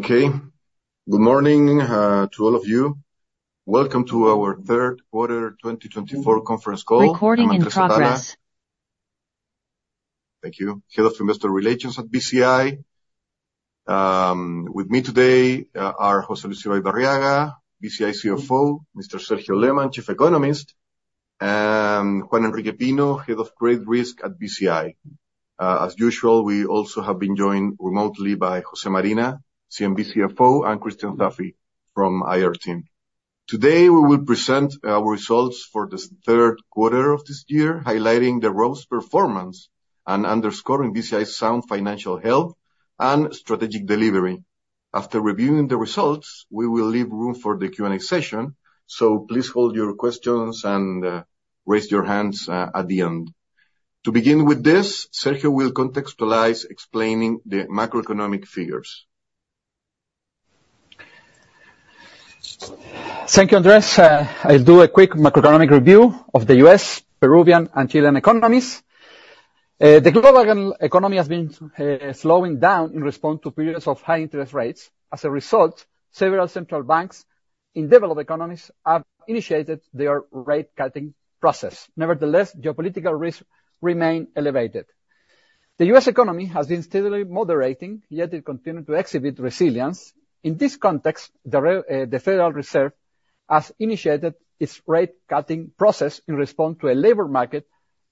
Okay. Good morning to all of you. Welcome to our third quarter 2024 conference call. Recording in progress. Thank you. Head of Investor Relations at Bci. With me today are José Luis Ibaibarriaga, Bci CFO, Mr. Sergio Lehmann, Chief Economist, and Juan Enrique Pino, Head of Credit Risk at Bci. As usual, we also have been joined remotely by José Marina, CNB CFO, and Cristian Saffie from IR team. Today, we will present our results for the third quarter of this year, highlighting the ROA performance and underscoring Bci's sound financial health and strategic delivery. After reviewing the results, we will leave room for the Q&A session, so please hold your questions and raise your hands at the end. To begin with this, Sergio will contextualize explaining the macroeconomic figures. Thank you, Andrés. I'll do a quick macroeconomic review of the U.S., Peruvian, and Chilean economies. The global economy has been slowing down in response to periods of high interest rates. As a result, several central banks in developed economies have initiated their rate-cutting process. Nevertheless, geopolitical risks remain elevated. The U.S. economy has been steadily moderating, yet it continued to exhibit resilience. In this context, the Federal Reserve has initiated its rate-cutting process in response to a labor market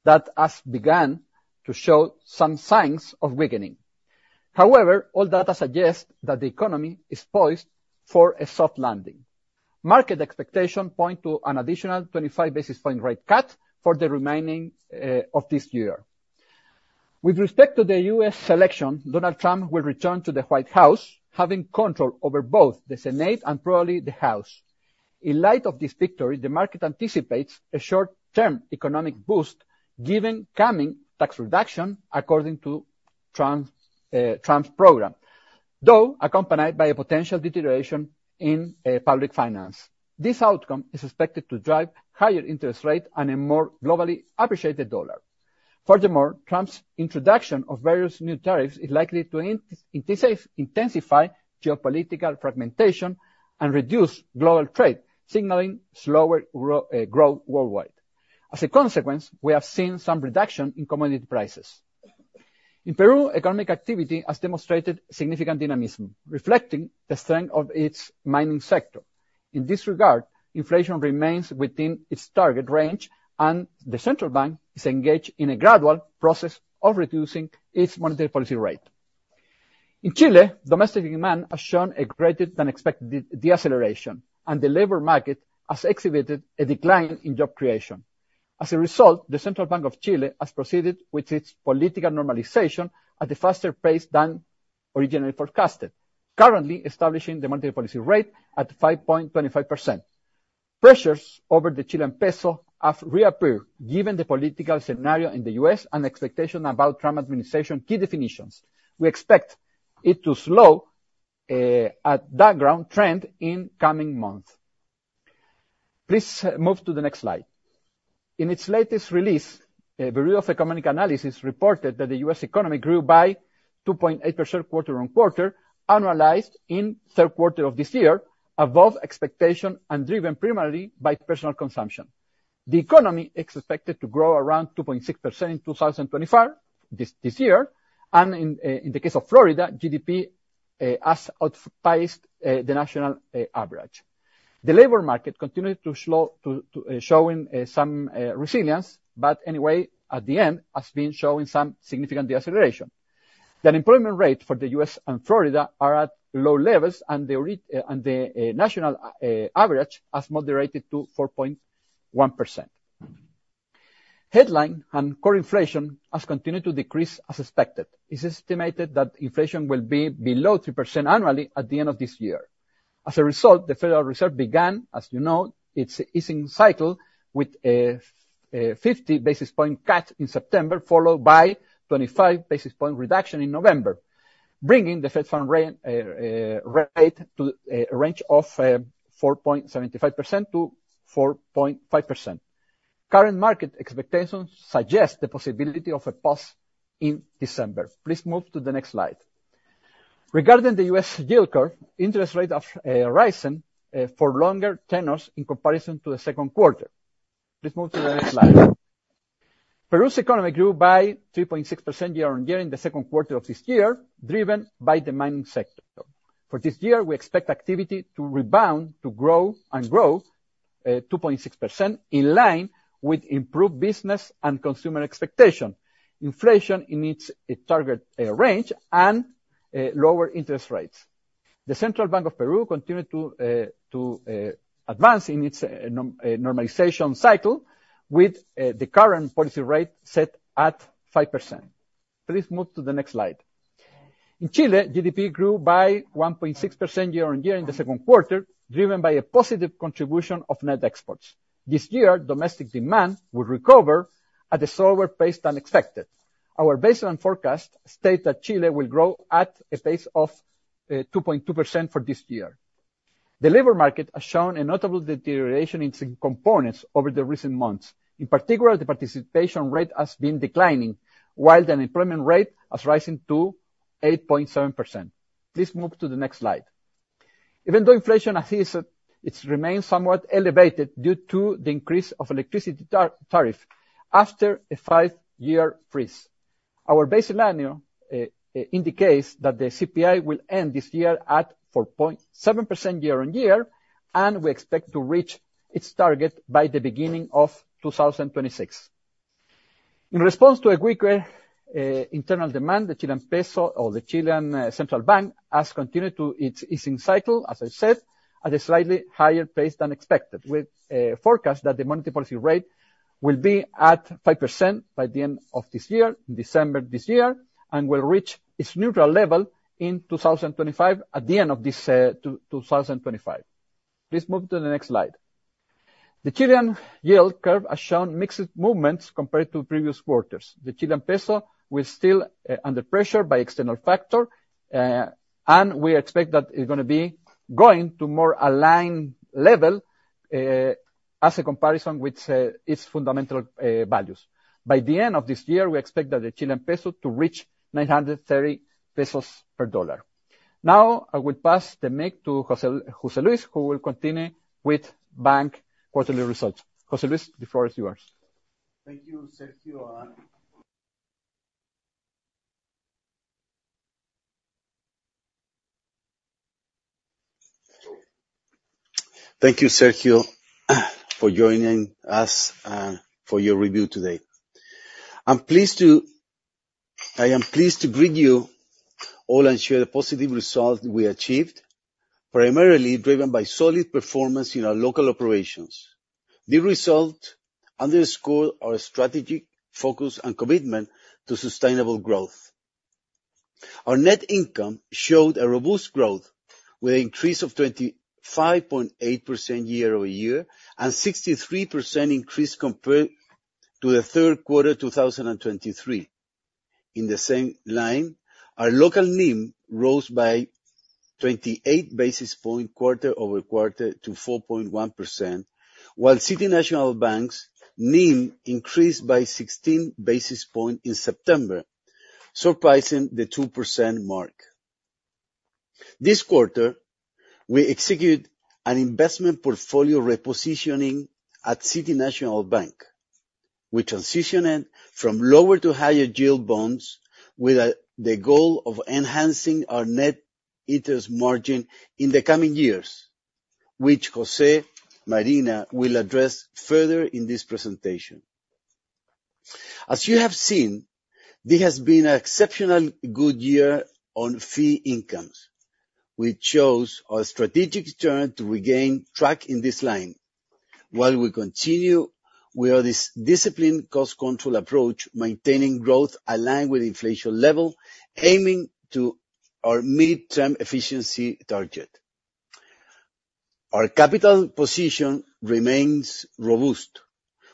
that has begun to show some signs of weakening. However, all data suggests that the economy is poised for a soft landing. Market expectation point to an additional 25 basis point rate cut for the remaining of this year. With respect to the U.S. election, Donald Trump will return to the White House, having control over both the Senate and probably the House. In light of this victory, the market anticipates a short-term economic boost given coming tax reduction, according to Trump's program. Though accompanied by a potential deterioration in public finance. This outcome is expected to drive higher interest rate and a more globally appreciated dollar. Furthermore, Trump's introduction of various new tariffs is likely to intensify geopolitical fragmentation and reduce global trade, signaling slower growth worldwide. As a consequence, we have seen some reduction in commodity prices. In Peru, economic activity has demonstrated significant dynamism, reflecting the strength of its mining sector. In this regard, inflation remains within its target range, and the central bank is engaged in a gradual process of reducing its monetary policy rate. In Chile, domestic demand has shown a greater than expected deceleration, and the labor market has exhibited a decline in job creation. As a result, the Central Bank of Chile has proceeded with its political normalization at a faster pace than originally forecasted, currently establishing the monetary policy rate at 5.25%. Pressures over the Chilean peso have reappeared, given the political scenario in the U.S. and expectation about Trump administration key definitions. We expect it to slow at that growth trend in coming months. Please move to the next slide. In its latest release, the Bureau of Economic Analysis reported that the U.S. economy grew by 2.8% quarter-on-quarter, annualized in third quarter of this year, above expectation and driven primarily by personal consumption. The economy is expected to grow around 2.6% in 2025, this year, and in the case of Florida, GDP has outpaced the national average. The labor market continued to slow, showing some resilience, but anyway, at the end, has been showing some significant deceleration. The unemployment rate for the U.S. and Florida are at low levels and the national average has moderated to 4.1%. Headline and core inflation has continued to decrease as expected. It's estimated that inflation will be below 3% annually at the end of this year. As a result, the Federal Reserve began, as you know, its easing cycle with a 50 basis point cut in September, followed by 25 basis point reduction in November, bringing the Federal Funds rate to a range of 4.75%-4.5%. Current market expectations suggest the possibility of a pause in December. Please move to the next slide. Regarding the U.S. yield curve, interest rates are rising for longer tenors in comparison to the second quarter. Please move to the next slide. Peru's economy grew by 3.6% year-on-year in the second quarter of this year, driven by the mining sector. For this year, we expect activity to rebound and grow 2.6% in line with improved business and consumer expectations. Inflation in its target range and lower interest rates. The Central Bank of Peru continued to advance in its normalization cycle with the current policy rate set at 5%. Please move to the next slide. In Chile, GDP grew by 1.6% year-on-year in the second quarter, driven by a positive contribution of net exports. This year, domestic demand will recover at a slower pace than expected. Our baseline forecast states that Chile will grow at a pace of 2.2% for this year. The labor market has shown a notable deterioration in some components over the recent months. In particular, the participation rate has been declining while the unemployment rate is rising to 8.7%. Please move to the next slide. Even though inflation has eased, it remains somewhat elevated due to the increase of electricity tariff after a five-year freeze. Our baseline indicates that the CPI will end this year at 4.7% year-on-year, and we expect to reach its target by the beginning of 2026. In response to a weaker internal demand, the Chilean peso or the Chilean Central Bank has continued to its easing cycle, as I said, at a slightly higher pace than expected, with a forecast that the monetary policy rate will be at 5% by the end of this year, in December this year, and will reach its neutral level in 2025, at the end of this 2025. Please move to the next slide. The Chilean yield curve has shown mixed movements compared to previous quarters. The Chilean peso is still under pressure by external factor, and we expect that it's gonna be going to more aligned level, as a comparison with its fundamental values. By the end of this year, we expect that the Chilean peso to reach 930 pesos per dollar. Now, I will pass the mic to José Luis, who will continue with bank quarterly results. José Luis, the floor is yours. Thank you, Sergio, for joining us for your review today. I am pleased to greet you all and share the positive results we achieved, primarily driven by solid performance in our local operations. These results underscore our strategic focus and commitment to sustainable growth. Our net income showed a robust growth with an increase of 25.8% year-over-year and 63% increase compared to the third quarter 2023. In the same line, our local NIM rose by 28 basis points quarter-over-quarter to 4.1%, while City National Bank's NIM increased by 16 basis points in September, surpassing the 2% mark. This quarter, we executed an investment portfolio repositioning at City National Bank. We transitioned from lower to higher yield bonds with the goal of enhancing our net interest margin in the coming years, which José Marina will address further in this presentation. As you have seen, this has been an exceptional good year on fee incomes, which shows our strategic turn to regain track in this line while we continue with this disciplined cost control approach, maintaining growth aligned with inflation level, aiming to our midterm efficiency target. Our capital position remains robust,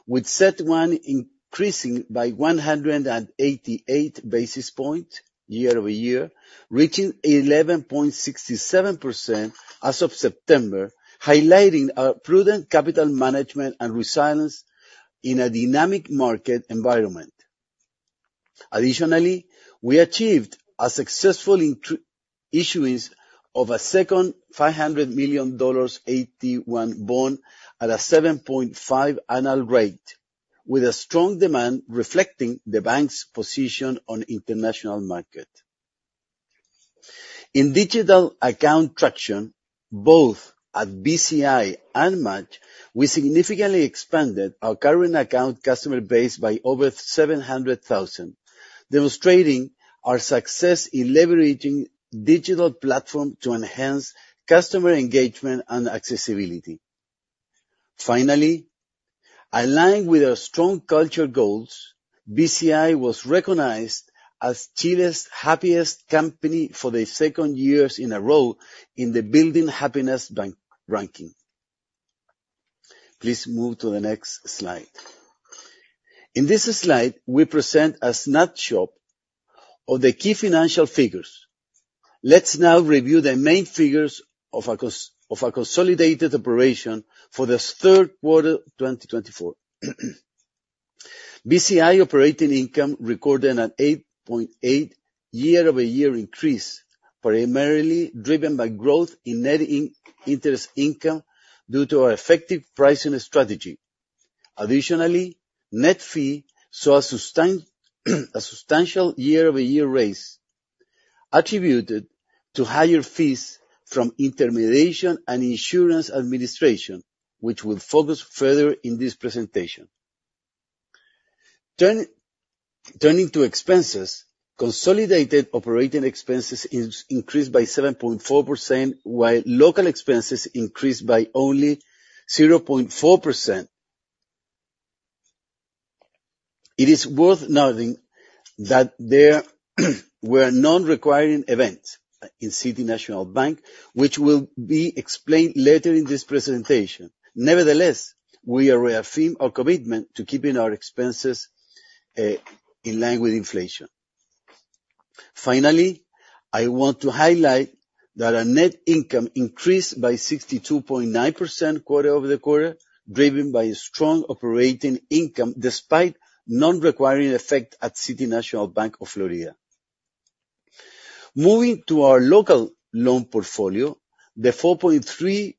with CET1 increasing by 188 basis points year-over-year, reaching 11.67% as of September, highlighting our prudent capital management and resilience in a dynamic market environment. Additionally, we achieved a successful issuance of a second $500 million AT1 bond at a 7.5% annual rate, with a strong demand reflecting the bank's position on international market. In digital account traction, both at Bci and MACH, we significantly expanded our current account customer base by over 700,000, demonstrating our success in leveraging digital platform to enhance customer engagement and accessibility. Aligned with our strong culture goals, Bci was recognized as Chile's happiest company for the second year in a row in the Building Happiness ranking. Please move to the next slide. In this slide, we present a snapshot of the key financial figures. Let's now review the main figures of our consolidated operation for this third quarter of 2024. Bci operating income recorded an 8.8% year-over-year increase, primarily driven by growth in net interest income due to our effective pricing strategy. Additionally, net fee saw a substantial year-over-year rise attributed to higher fees from intermediation and insurance administration, which we'll focus further in this presentation. Turning to expenses, consolidated operating expenses is increased by 7.4%, while local expenses increased by only 0.4%. It is worth noting that there were non-recurring events in City National Bank, which will be explained later in this presentation. Nevertheless, we reaffirm our commitment to keeping our expenses in line with inflation. Finally, I want to highlight that our net income increased by 62.9% quarter-over-quarter, driven by a strong operating income despite non-recurring effect at City National Bank of Florida. Moving to our local loan portfolio, the 4.3%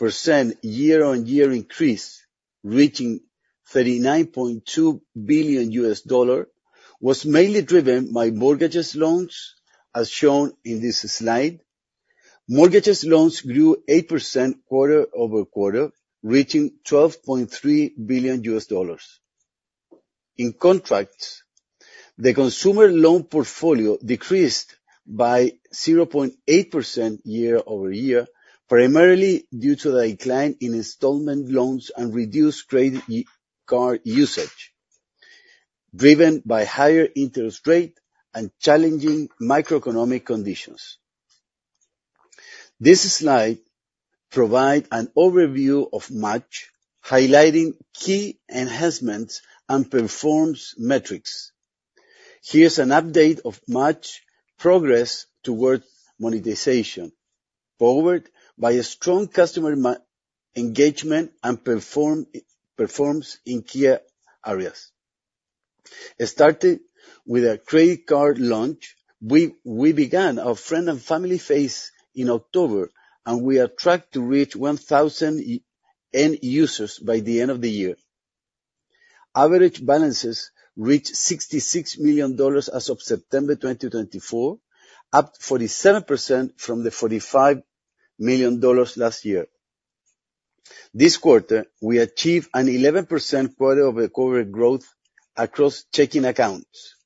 year-on-year increase, reaching $39.2 billion, was mainly driven by mortgage loans, as shown in this slide. Mortgage loans grew 8% quarter-over-quarter, reaching $12.3 billion. In contrast, the consumer loan portfolio decreased by 0.8% year-over-year, primarily due to a decline in installment loans and reduced credit card usage, driven by higher interest rate and challenging macroeconomic conditions. This slide provides an overview of March, highlighting key enhancements and performance metrics. Here's an update of March progress towards monetization, powered by a strong customer engagement and performance in key areas. Starting with a credit card launch, we began our friend and family phase in October, and we are on track to reach 1,000 end users by the end of the year. Average balances reached $66 million as of September 2024, up 47% from the $45 million last year. This quarter, we achieved an 11% quarter-over-quarter growth across checking accounts,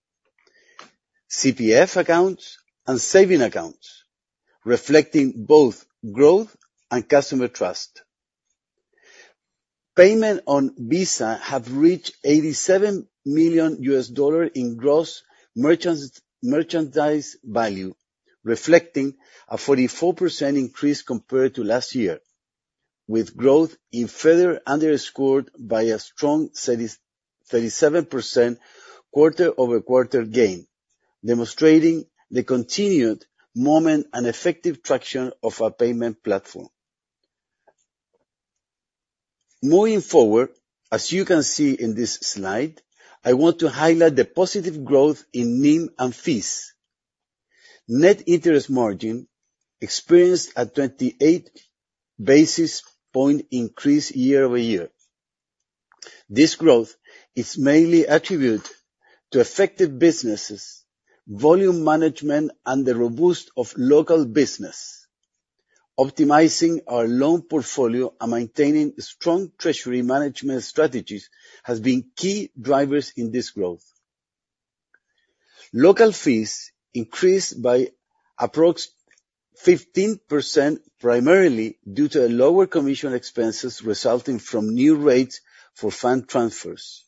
APV accounts, and savings accounts, reflecting both growth and customer trust. Payments on Visa have reached $87 million in gross merchandise value, reflecting a 44% increase compared to last year, with growth further underscored by a strong 37% quarter-over-quarter gain, demonstrating the continued momentum and effective traction of our payment platform. Moving forward, as you can see in this slide, I want to highlight the positive growth in NIM and fees. Net interest margin experienced a 28 basis point increase year-over-year. This growth is mainly attributed to effective business, volume management, and the robustness of local business. Optimizing our loan portfolio and maintaining strong treasury management strategies has been key drivers in this growth. Local fees increased by approximately 15%, primarily due to lower commission expenses resulting from new rates for fund transfers,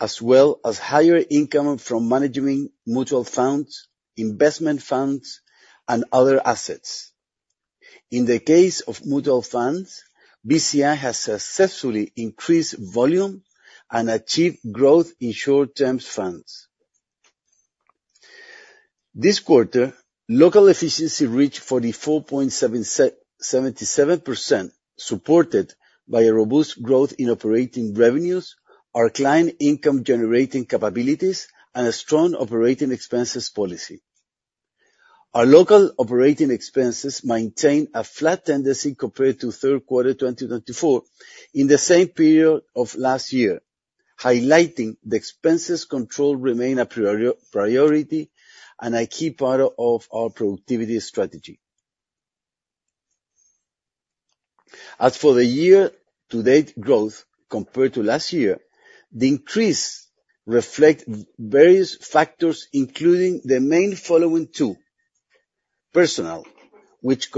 as well as higher income from managing mutual funds, investment funds, and other assets. In the case of mutual funds, Bci has successfully increased volume and achieved growth in short-term funds. This quarter, local efficiency reached 44.77%, supported by a robust growth in operating revenues, our client income generating capabilities, and a strong operating expenses policy. Our local operating expenses maintain a flat tendency compared to third quarter 2024 in the same period of last year, highlighting the expenses control remain a priority and a key part of our productivity strategy. As for the year-to-date growth compared to last year, the increase reflect various factors, including the main following two: Personnel, which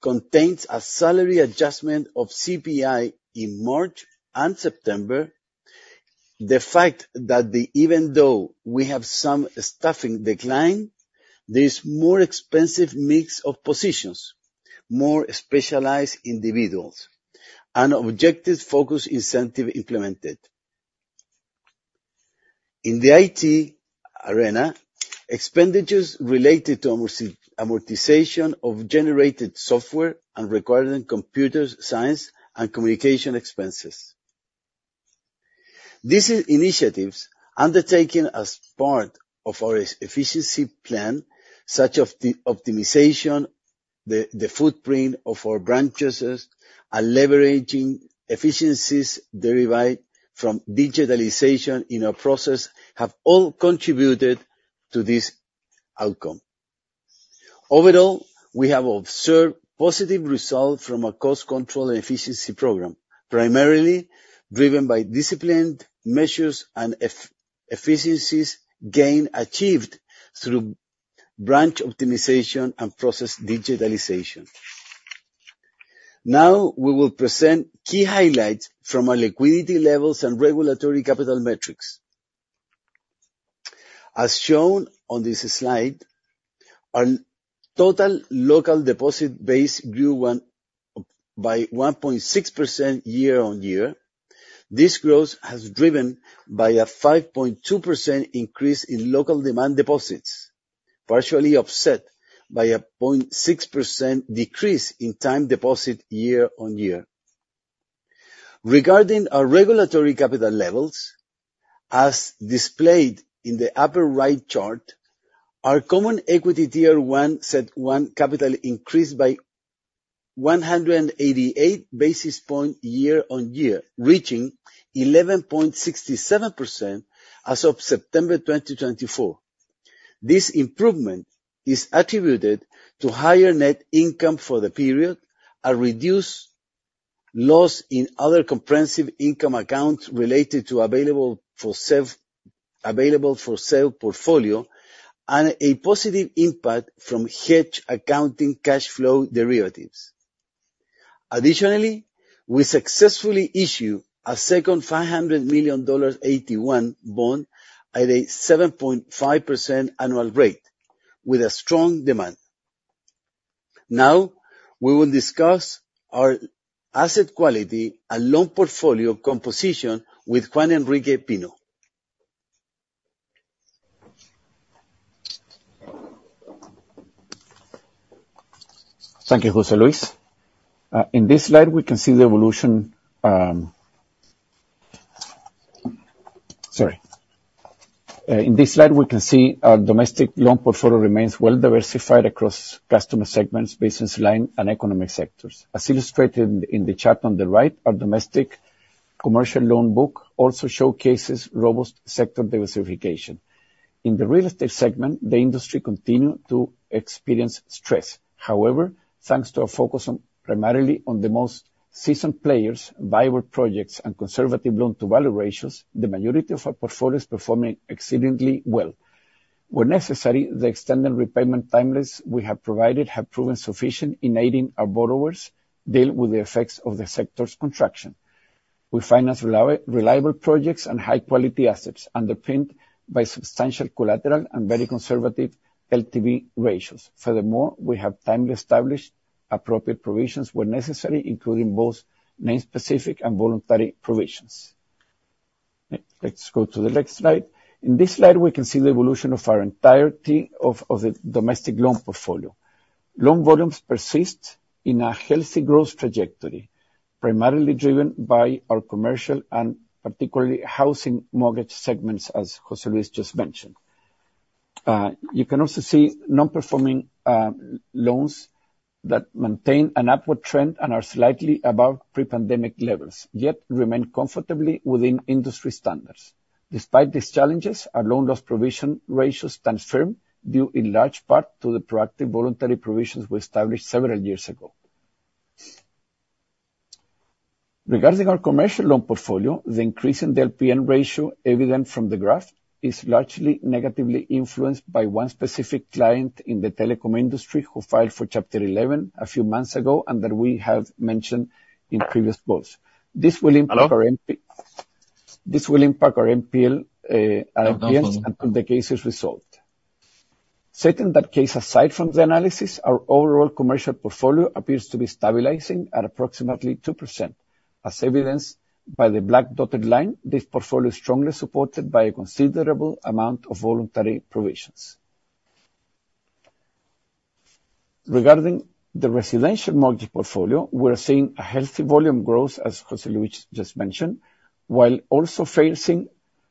contains a salary adjustment of CPI in March and September. The fact that even though we have some staffing decline, there's more expensive mix of positions, more specialized individuals, and objective-focused incentive implemented. In the IT arena, expenditures related to amortization of generated software and requiring computer science and communication expenses. These initiatives, undertaken as part of our efficiency plan, such optimization, the footprint of our branches, and leveraging efficiencies derived from digitalization in our process, have all contributed to this outcome. Overall, we have observed positive results from our cost control and efficiency program, primarily driven by disciplined measures and efficiencies gain achieved through branch optimization and process digitalization. Now we will present key highlights from our liquidity levels and regulatory capital metrics. As shown on this slide. Our total local deposit base grew by 1.6% year-on-year. This growth has driven by a 5.2% increase in local demand deposits, partially offset by a 0.6% decrease in time deposit year-on-year. Regarding our regulatory capital levels, as displayed in the upper right chart, our Common Equity Tier 1 CET1 capital increased by 188 basis points year-on-year, reaching 11.67% as of September 2024. This improvement is attributed to higher net income for the period, a reduced loss in other comprehensive income accounts related to available for sale portfolio, and a positive impact from hedge accounting cash flow derivatives. Additionally, we successfully issue a second $500 million AT1 bond at a 7.5% annual rate with a strong demand. Now we will discuss our asset quality and loan portfolio composition with Juan Enrique Pino. Thank you, José Luis. In this slide, we can see our domestic loan portfolio remains well diversified across customer segments, business line, and economic sectors. As illustrated in the chart on the right, our domestic commercial loan book also showcases robust sector diversification. In the real estate segment, the industry continued to experience stress. However, thanks to our focus primarily on the most seasoned players, viable projects, and conservative loan-to-value ratios, the majority of our portfolio is performing exceedingly well. Where necessary, the extended repayment timelines we have provided have proven sufficient in aiding our borrowers deal with the effects of the sector's contraction. We finance reliable projects and high-quality assets underpinned by substantial collateral and very conservative LTV ratios. Furthermore, we have timely established appropriate provisions where necessary, including both name-specific and voluntary provisions. Let's go to the next slide. In this slide, we can see the evolution of our domestic loan portfolio. Loan volumes persist in a healthy growth trajectory, primarily driven by our commercial and particularly housing mortgage segments, as José Luis just mentioned. You can also see non-performing loans that maintain an upward trend and are slightly above pre-pandemic levels, yet remain comfortably within industry standards. Despite these challenges, our loan loss provision ratio stands firm, due in large part to the proactive voluntary provisions we established several years ago. Regarding our commercial loan portfolio, the increase in the NPL ratio evident from the graph is largely negatively influenced by one specific client in the telecom industry who filed for Chapter 11 a few months ago, and that we have mentioned in previous calls. This will impact our NP- Hello? This will impact our NPLs until the case is resolved. Setting that case aside from the analysis, our overall commercial portfolio appears to be stabilizing at approximately 2%, as evidenced by the black dotted line. This portfolio is strongly supported by a considerable amount of voluntary provisions. Regarding the residential mortgage portfolio, we're seeing a healthy volume growth, as José Luis just mentioned, while also facing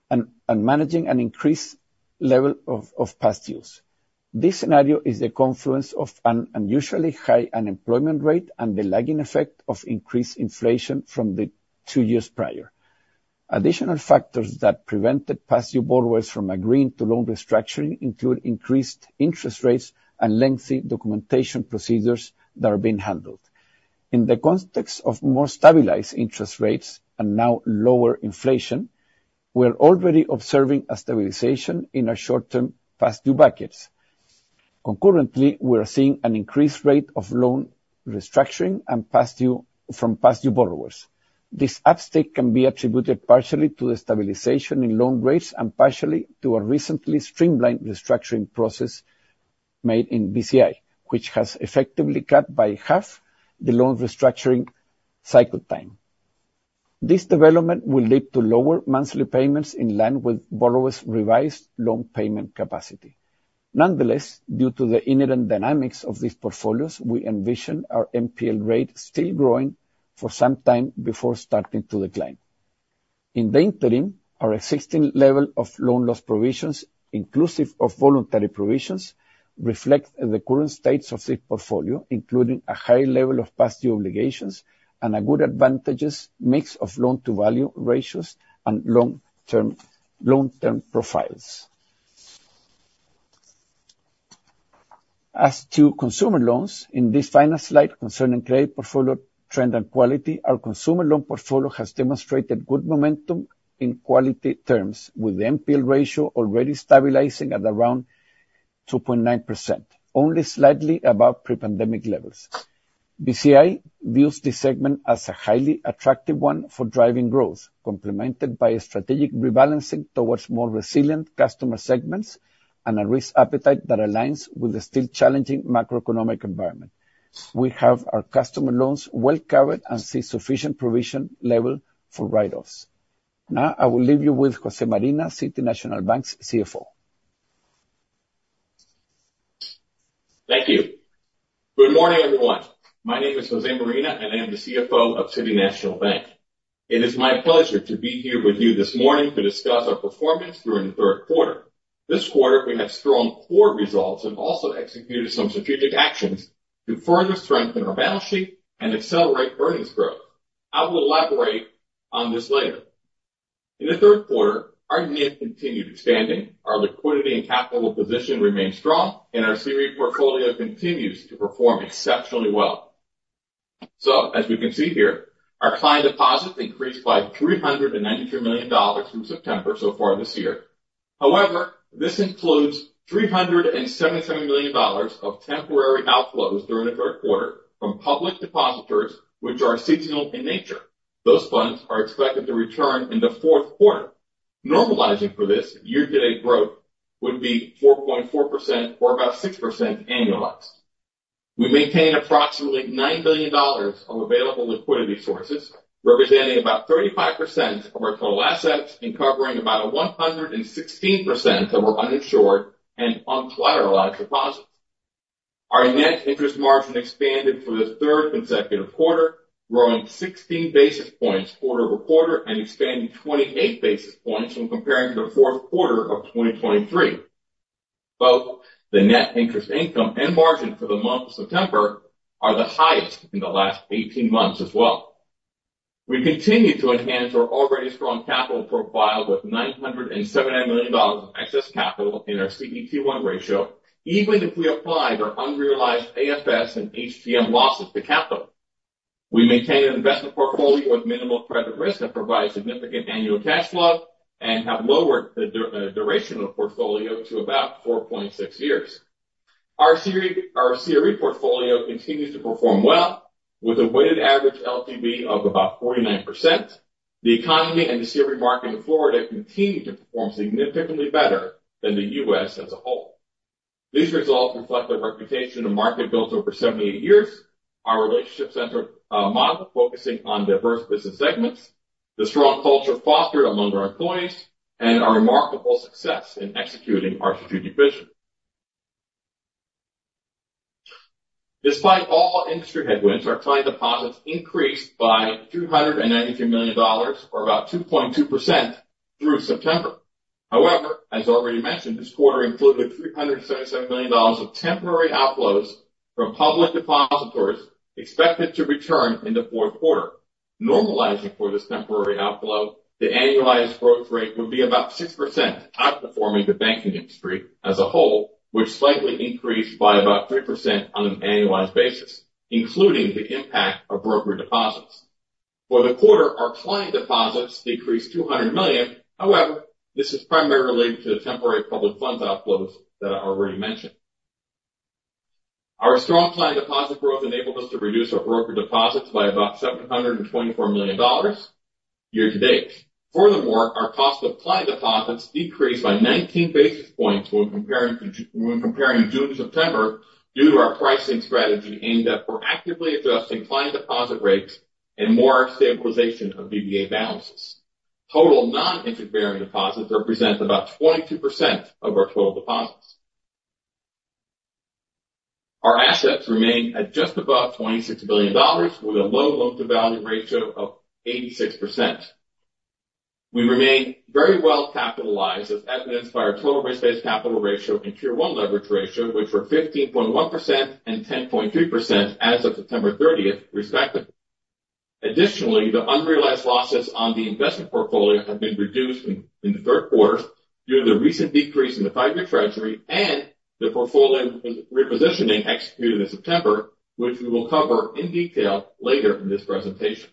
and managing an increased level of past dues. This scenario is a confluence of an unusually high unemployment rate and the lagging effect of increased inflation from the two years prior. Additional factors that prevented past due borrowers from agreeing to loan restructuring include increased interest rates and lengthy documentation procedures that are being handled. In the context of more stabilized interest rates and now lower inflation, we are already observing a stabilization in our short-term past due buckets. Concurrently, we are seeing an increased rate of loan restructuring and past due from past due borrowers. This uptick can be attributed partially to the stabilization in loan rates and partially to a recently streamlined restructuring process made in Bci, which has effectively cut by half the loan restructuring cycle time. This development will lead to lower monthly payments in line with borrowers' revised loan payment capacity. Nonetheless, due to the inherent dynamics of these portfolios, we envision our NPL rate still growing for some time before starting to decline. In the interim, our existing level of loan loss provisions, inclusive of voluntary provisions, reflect the current state of this portfolio, including a high level of past due obligations and a good advantageous mix of loan-to-value ratios and long-term profiles. As to consumer loans, in this final slide concerning credit portfolio trend and quality, our consumer loan portfolio has demonstrated good momentum in quality terms, with the NPL ratio already stabilizing at around 2.9%, only slightly above pre-pandemic levels. Bci views this segment as a highly attractive one for driving growth, complemented by a strategic rebalancing towards more resilient customer segments and a risk appetite that aligns with the still challenging macroeconomic environment. We have our customer loans well covered and see sufficient provision level for write-offs. Now, I will leave you with José Marina, City National Bank of Florida's CFO. Thank you. Good morning, everyone. My name is José Marina, and I am the CFO of City National Bank. It is my pleasure to be here with you this morning to discuss our performance during the third quarter. This quarter, we had strong core results and also executed some strategic actions to further strengthen our balance sheet and accelerate earnings growth. I will elaborate on this later. In the third quarter, our NIM continued expanding, our liquidity and capital position remained strong, and our CRE portfolio continues to perform exceptionally well. As you can see here, our client deposits increased by $393 million through September so far this year. However, this includes $377 million of temporary outflows during the third quarter from public depositors, which are seasonal in nature. Those funds are expected to return in the fourth quarter. Normalizing for this year-to-date growth would be 4.4% or about 6% annualized. We maintain approximately $9 billion of available liquidity sources, representing about 35% of our total assets and covering about 116% of our uninsured and uncollateralized deposits. Our net interest margin expanded for the third consecutive quarter, growing 16 basis points quarter-over-quarter and expanding 28 basis points when comparing to the fourth quarter of 2023. Both the net interest income and margin for the month of September are the highest in the last 18 months as well. We continue to enhance our already strong capital profile with $970 million of excess capital in our CET1 ratio, even if we applied our unrealized AFS and HTM losses to capital. We maintain an investment portfolio with minimal credit risk that provides significant annual cash flow and have lowered the duration of portfolio to about 4.6 years. Our CRE portfolio continues to perform well with a weighted average LTV of about 49%. The economy and the CRE market in Florida continue to perform significantly better than the U.S. as a whole. These results reflect the reputation the market built over 78 years, our relationship-centered model focusing on diverse business segments, the strong culture fostered among our employees, and our remarkable success in executing our strategic vision. Despite all industry headwinds, our client deposits increased by $293 million or about 2.2% through September. However, as already mentioned, this quarter included $377 million of temporary outflows from public depositors expected to return in the fourth quarter. Normalizing for this temporary outflow, the annualized growth rate would be about 6%, outperforming the banking industry as a whole, which slightly increased by about 3% on an annualized basis, including the impact of broker deposits. For the quarter, our client deposits decreased $200 million. However, this is primarily related to the temporary public funds outflows that I already mentioned. Our strong client deposit growth enabled us to reduce our broker deposits by about $724 million year-to-date. Furthermore, our cost of client deposits decreased by 19 basis points when comparing June to September due to our pricing strategy aimed at proactively adjusting client deposit rates and more stabilization of DDA balances. Total non-interest-bearing deposits represent about 22% of our total deposits. Our assets remain at just above $26 billion with a low loan-to-value ratio of 86%. We remain very well capitalized, as evidenced by our total risk-based capital ratio and Tier 1 leverage ratio, which were 15.1% and 10.3% as of September 30th, respectively. Additionally, the unrealized losses on the investment portfolio have been reduced in the third quarter due to the recent decrease in the five-year Treasury and the portfolio repositioning executed in September, which we will cover in detail later in this presentation.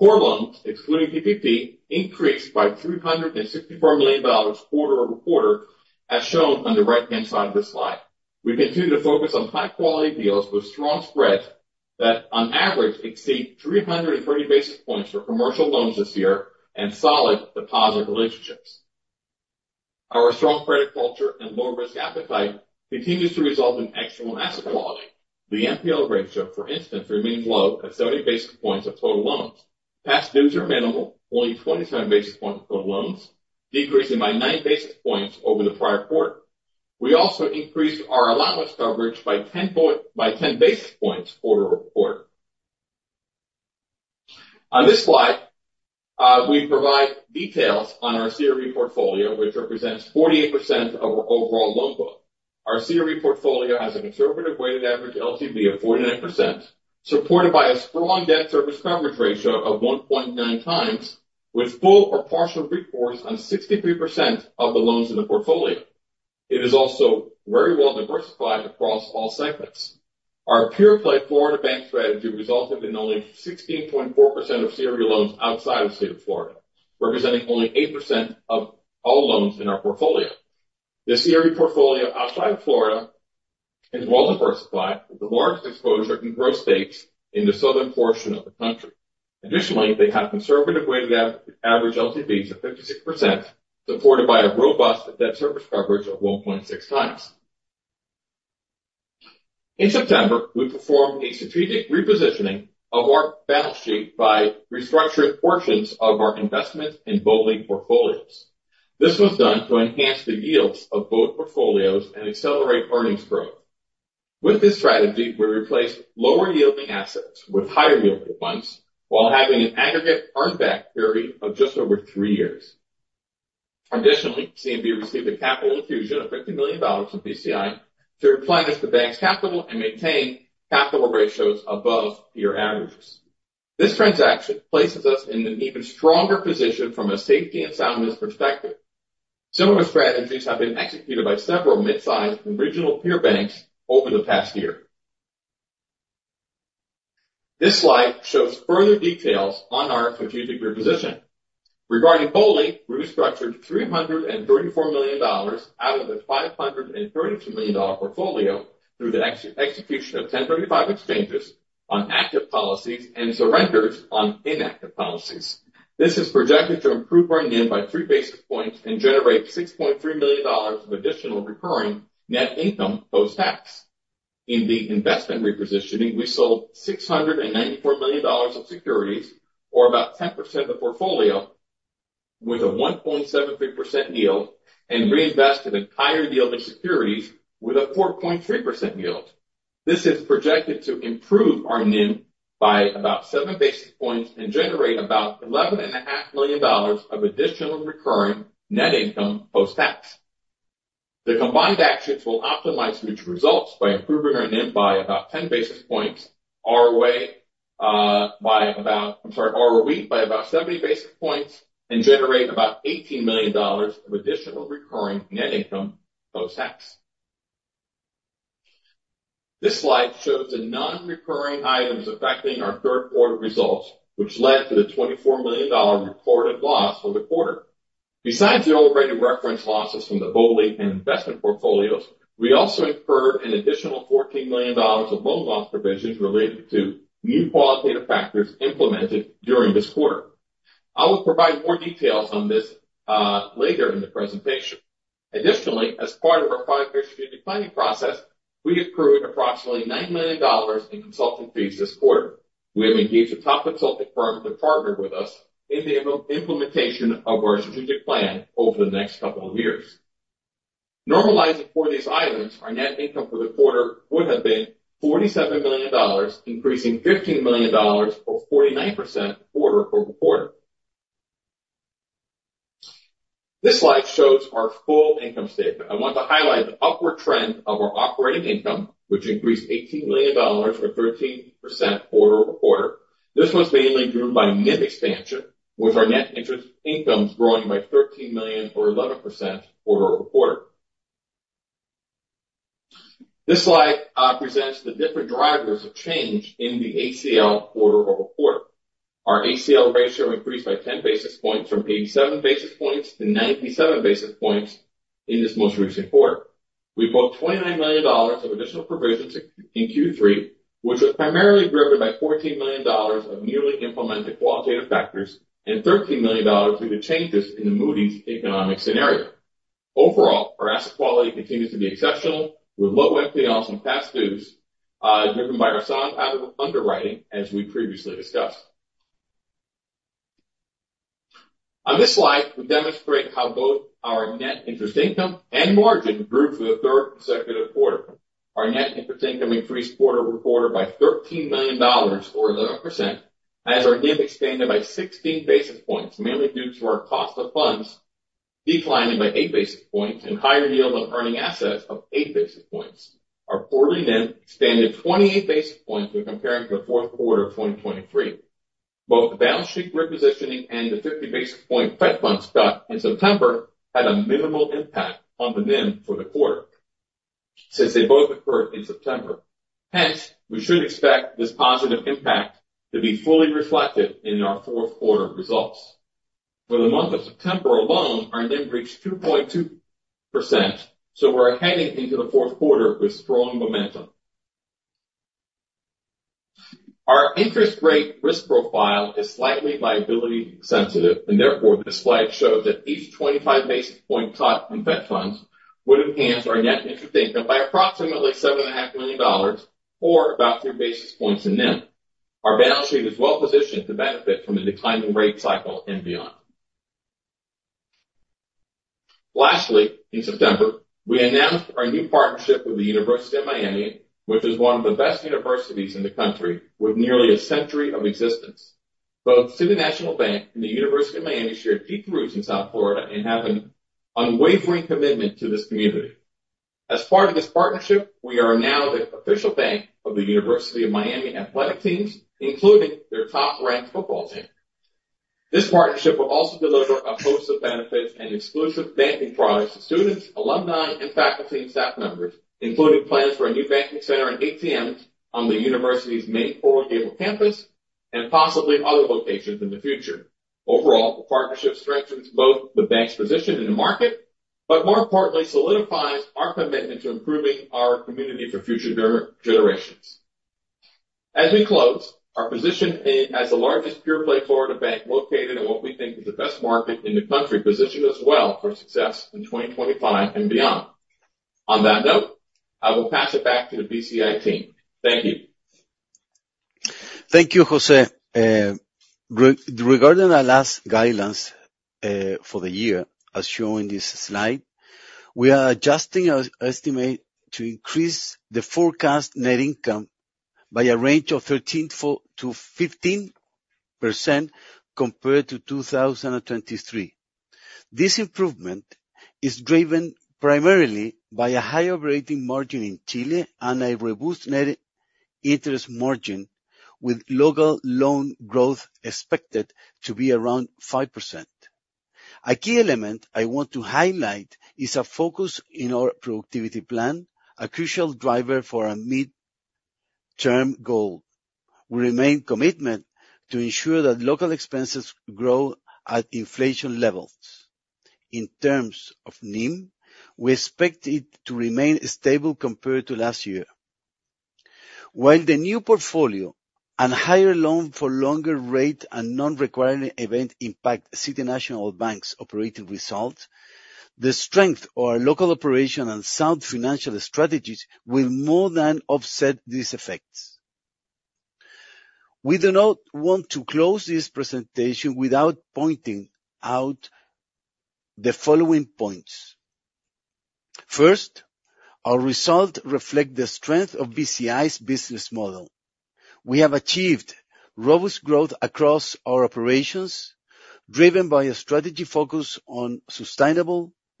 Core loans, excluding PPP, increased by $364 million quarter-over-quarter, as shown on the right-hand side of this slide. We continue to focus on high-quality deals with strong spreads that on average exceed 330 basis points for commercial loans this year and solid deposit relationships. Our strong credit culture and low risk appetite continues to result in exceptional asset quality. The NPL ratio, for instance, remains low at 30 basis points of total loans. Past dues are minimal, only 27 basis points of total loans, decreasing by 9 basis points over the prior quarter. We also increased our allowance coverage by 10 basis points quarter-over-quarter. On this slide, we provide details on our CRE portfolio, which represents 48% of our overall loan book. Our CRE portfolio has a conservative weighted average LTV of 49%, supported by a strong debt service coverage ratio of 1.9x, with full or partial recourse on 63% of the loans in the portfolio. It is also very well diversified across all segments. Our pure-play Florida bank strategy resulted in only 16.4% of CRE loans outside of the state of Florida, representing only 8% of all loans in our portfolio. The CRE portfolio outside of Florida is well diversified, with the largest exposure in growth states in the southern portion of the country. Additionally, they have conservative weighted average LTVs of 56%, supported by a robust debt service coverage of 1.6x. In September, we performed a strategic repositioning of our balance sheet by restructuring portions of our investment in BOLI portfolios. This was done to enhance the yields of both portfolios and accelerate earnings growth. With this strategy, we replaced lower yielding assets with higher yielding ones while having an aggregate earn back period of just over three years. Additionally, CNB received a capital infusion of $50 million from Bci to replenish the bank's capital and maintain capital ratios above peer averages. This transaction places us in an even stronger position from a safety and soundness perspective. Similar strategies have been executed by several mid-sized and regional peer banks over the past year. This slide shows further details on our strategic reposition. Regarding BOLI, we restructured $334 million out of the $532 million portfolio through the execution of 1035 exchanges on active policies and surrenders on inactive policies. This is projected to improve our NIM by 3 basis points and generate $6.3 million of additional recurring net income post-tax. In the investment repositioning, we sold $694 million of securities or about 10% of the portfolio with a 1.73% yield, and reinvested in higher yielding securities with a 4.3% yield. This is projected to improve our NIM by about 7 basis points and generate about $11.5 million of additional recurring net income post-tax. The combined actions will optimize future results by improving our NIM by about 10 basis points, ROA by about. I'm sorry, ROE by about 70 basis points, and generate about $18 million of additional recurring net income post-tax. This slide shows the non-recurring items affecting our third quarter results, which led to the $24 million reported loss for the quarter. Besides the already referenced losses from the BOLI and investment portfolios, we also incurred an additional $14 million of loan loss provisions related to new qualitative factors implemented during this quarter. I will provide more details on this later in the presentation. Additionally, as part of our five-year strategic planning process, we accrued approximately $9 million in consulting fees this quarter. We have engaged a top consulting firm to partner with us in the implementation of our strategic plan over the next couple of years. Normalizing for these items, our net income for the quarter would have been $47 million, increasing $15 million or 49% quarter-over-quarter. This slide shows our full income statement. I want to highlight the upward trend of our operating income, which increased $18 million or 13% quarter-over-quarter. This was mainly driven by NIM expansion, with our net interest incomes growing by $13 million or 11% quarter-over-quarter. This slide presents the different drivers of change in the ACL quarter-over-quarter. Our ACL ratio increased by 10 basis points from 87 basis points to 97 basis points in this most recent quarter. We booked $29 million of additional provisions in Q3, which was primarily driven by $14 million of newly implemented qualitative factors and $13 million due to changes in the Moody's economic scenario. Overall, our asset quality continues to be exceptional with low NPLs and past dues, driven by our sound practice of underwriting, as we previously discussed. On this slide, we demonstrate how both our net interest income and margin grew for the third consecutive quarter. Our net interest income increased quarter-over-quarter by $13 million or 11% as our NIM expanded by 16 basis points, mainly due to our cost of funds declining by 8 basis points and higher yield on earning assets of 8 basis points. Our quarterly NIM expanded 28 basis points when comparing to the fourth quarter of 2023. Both the balance sheet repositioning and the 50 basis point Fed funds cut in September had a minimal impact on the NIM for the quarter since they both occurred in September. Hence, we should expect this positive impact to be fully reflected in our fourth quarter results. For the month of September alone, our NIM reached 2.2%, so we're heading into the fourth quarter with strong momentum. Our interest rate risk profile is slightly liability sensitive, and therefore, this slide shows that each 25 basis points cut in Fed Funds would enhance our net interest income by approximately $7.5 million or about 3 basis points in NIM. Our balance sheet is well positioned to benefit from a declining rate cycle and beyond. Lastly, in September, we announced our new partnership with the University of Miami, which is one of the best universities in the country with nearly a century of existence. Both City National Bank and the University of Miami share deep roots in South Florida and have an unwavering commitment to this community. As part of this partnership, we are now the official bank of the University of Miami athletic teams, including their top-ranked football team. This partnership will also deliver a host of benefits and exclusive banking products to students, alumni, and faculty and staff members, including plans for a new banking center and ATMs on the university's main Coral Gables campus and possibly other locations in the future. Overall, the partnership strengthens both the bank's position in the market, but more importantly, solidifies our commitment to improving our community for future generations. As we close, as the largest pure-play Florida bank located in what we think is the best market in the country, positions us well for success in 2025 and beyond. On that note, I will pass it back to the Bci team. Thank you. Thank you, José. Regarding our last guidelines for the year, as shown in this slide, we are adjusting our estimate to increase the forecast net income by a range of 13%-15% compared to 2023. This improvement is driven primarily by a higher operating margin in Chile and a robust net interest margin, with local loan growth expected to be around 5%. A key element I want to highlight is a focus in our productivity plan, a crucial driver for our mid-term goal. We remain committed to ensure that local expenses grow at inflation levels. In terms of NIM, we expect it to remain stable compared to last year. While the new portfolio and higher-for-longer rate and non-recurring event impact City National Bank's operating results, the strength of our local operation and sound financial strategies will more than offset these effects. We do not want to close this presentation without pointing out the following points. First, our results reflect the strength of Bci's business model.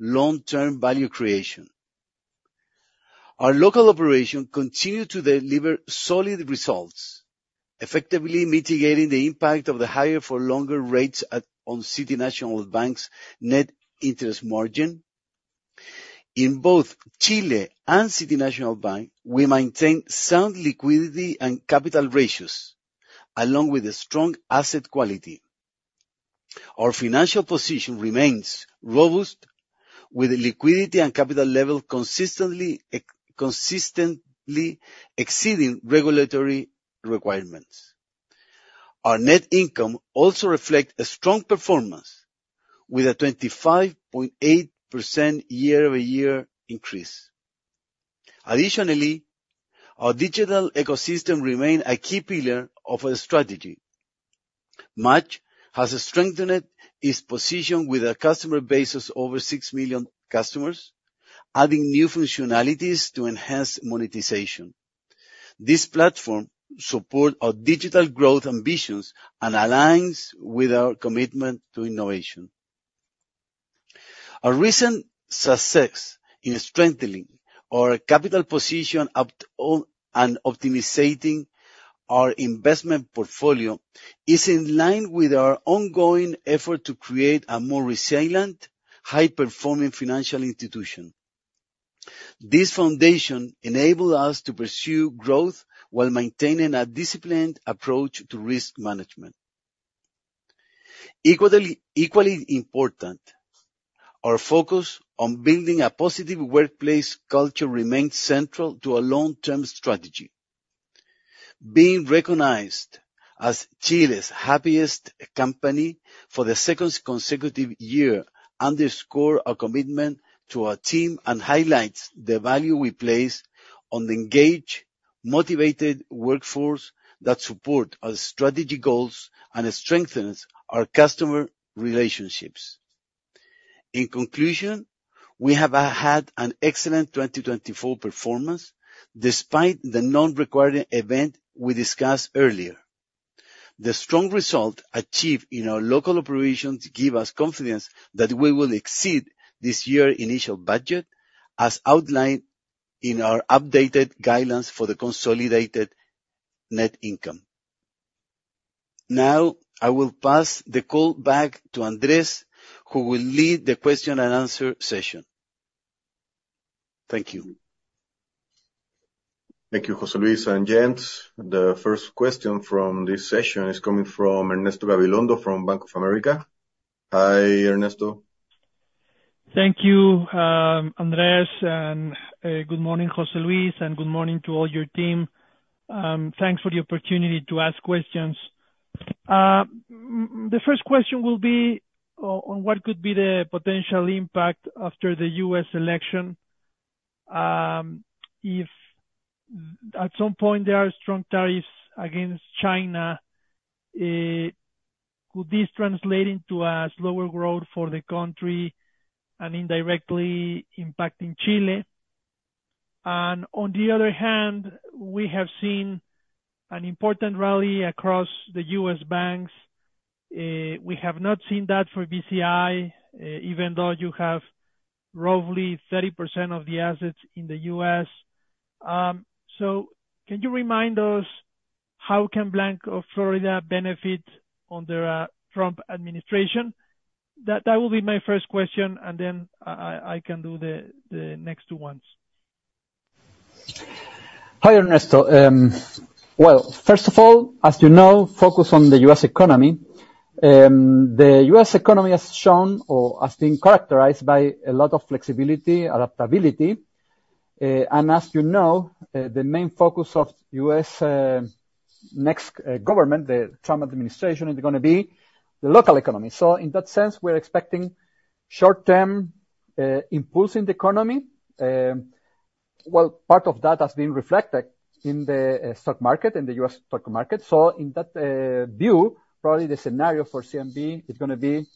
We have achieved robust growth across our operations, driven by a strategy focused on sustainable long-term value creation. Our local operations continue to deliver solid results, effectively mitigating the impact of the higher for longer rates on City National Bank's net interest margin. In both Chile and City National Bank, we maintain sound liquidity and capital ratios, along with strong asset quality. Our financial position remains robust, with liquidity and capital level consistently exceeding regulatory requirements. Our net income also reflects a strong performance with a 25.8% year-over-year increase. Additionally, our digital ecosystem remains a key pillar of our strategy. MACH has strengthened its position with a customer base of over 6 million customers, adding new functionalities to enhance monetization. This platform supports our digital growth ambitions and aligns with our commitment to innovation. Our recent success in strengthening our capital position and optimizing our investment portfolio is in line with our ongoing effort to create a more resilient, high-performing financial institution. This foundation enables us to pursue growth while maintaining a disciplined approach to risk management. Equally important, our focus on building a positive workplace culture remains central to our long-term strategy. Being recognized as Chile's happiest company for the second consecutive year underscore our commitment to our team and highlights the value we place on engaged, motivated workforce that support our strategy goals and strengthens our customer relationships. In conclusion, we have had an excellent 2024 performance despite the non-recurring event we discussed earlier. The strong result achieved in our local operations give us confidence that we will exceed this year initial budget as outlined in our updated guidelines for the consolidated net income. Now, I will pass the call back to Andrés, who will lead the question-and-answer session. Thank you. Thank you, José Luis and gents. The first question from this session is coming from Ernesto Gabilondo from Bank of America. Hi, Ernesto. Thank you, Andrés, and good morning, José Luis, and good morning to all your team. Thanks for the opportunity to ask questions. The first question will be on what could be the potential impact after the U.S. election, if at some point there are strong tariffs against China, could this translate into a slower growth for the country and indirectly impacting Chile. On the other hand, we have seen an important rally across the U.S. banks. We have not seen that for Bci, even though you have roughly 30% of the assets in the U.S. Can you remind us how can Bank of Florida benefit under Trump administration. That will be my first question, and then I can do the next two ones. Hi, Ernesto. Well, first of all, as you know, focus on the U.S. economy. The U.S. economy has shown or has been characterized by a lot of flexibility, adaptability. As you know, the main focus of U.S. next government, the Trump administration, is gonna be the local economy. In that sense, we're expecting short-term impulse in the economy. Well, part of that has been reflected in the stock market, in the U.S. stock market. In that view, probably the scenario for CNB is gonna be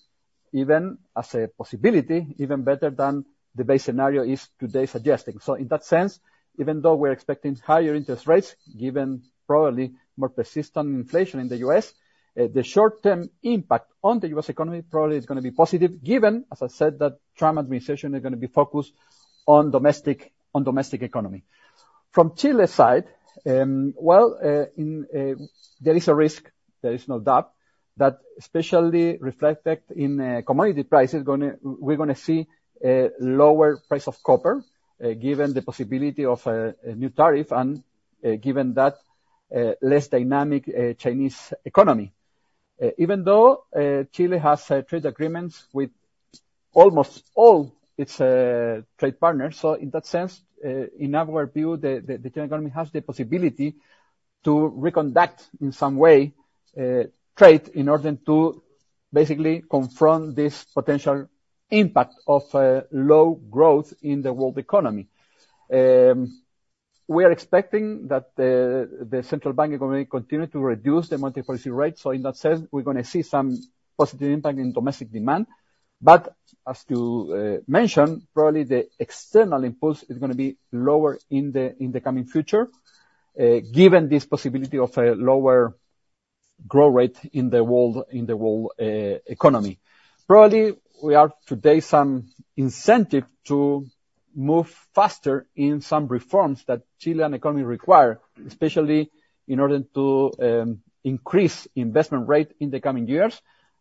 even as a possibility, even better than the base scenario is today suggesting. In that sense, even though we're expecting higher interest rates, given probably more persistent inflation in the U.S., the short-term impact on the U.S. economy probably is gonna be positive, given, as I said, that Trump administration is gonna be focused on domestic economy. From Chile side, there is a risk, there is no doubt, that especially reflected in commodity prices, we're gonna see a lower price of copper, given the possibility of a new tariff and given that less dynamic Chinese economy. Even though Chile has trade agreements with almost all its trade partners, so in that sense, in our view, the Chilean economy has the possibility to redirect, in some way, trade in order to basically confront this potential impact of low growth in the world economy. We are expecting that the Central Bank continue to reduce the monetary policy rate, so in that sense, we're gonna see some positive impact in domestic demand. As you mentioned, probably the external impulse is gonna be lower in the coming future, given this possibility of a lower growth rate in the world economy. Probably, there is today some incentive to move faster in some reforms that Chilean economy require, especially in order to increase investment rate in the coming years.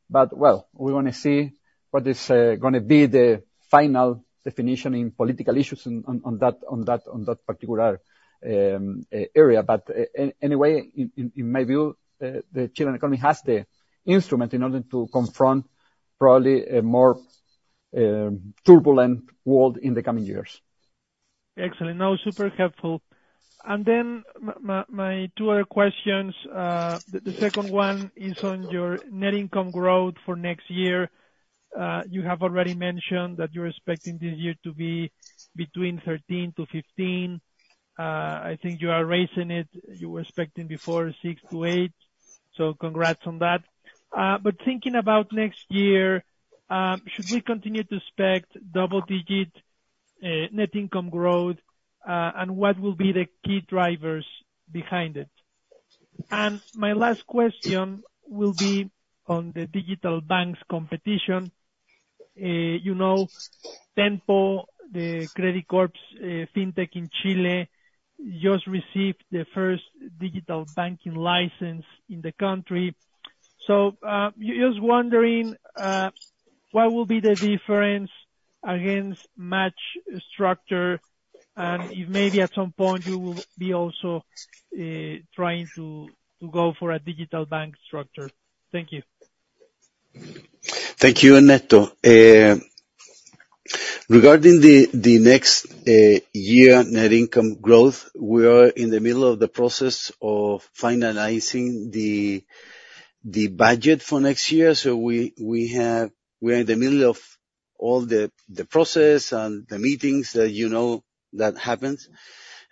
Well, we wanna see what is gonna be the final definition in political issues on that particular area. Anyway, in my view, the Chilean economy has the instrument in order to confront probably a more turbulent world in the coming years. Excellent. No, super helpful. My two other questions. The second one is on your net income growth for next year. You have already mentioned that you're expecting this year to be between 13%-15%. I think you are raising it. You were expecting before 6%-8%, so congrats on that. Thinking about next year, should we continue to expect double-digit net income growth, and what will be the key drivers behind it? My last question will be on the digital banks competition. You know Tenpo, the Credicorp's fintech in Chile, just received the first digital banking license in the country. Just wondering what will be the difference against MACH structure and if maybe at some point you will be also trying to go for a digital bank structure. Thank you. Thank you, Ernesto. Regarding the next year net income growth, we are in the middle of the process of finalizing the budget for next year. We are in the middle of all the process and the meetings that you know happens.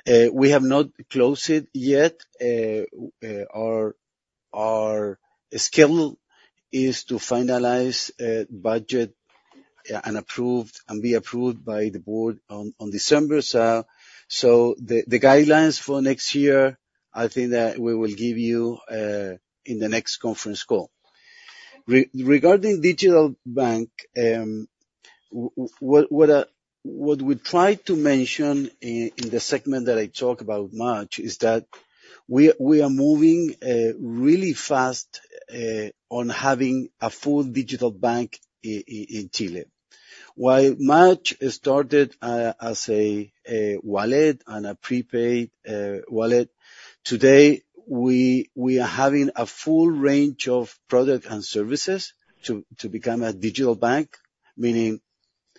We have not closed it yet. Our schedule is to finalize a budget and be approved by the board on December. The guidelines for next year, I think that we will give you in the next conference call. Regarding digital bank, what we try to mention in the segment that I talk about MACH is that we are moving really fast on having a full digital bank in Chile. While MACH started as a wallet and a prepaid wallet, today we are having a full range of product and services to become a digital bank, meaning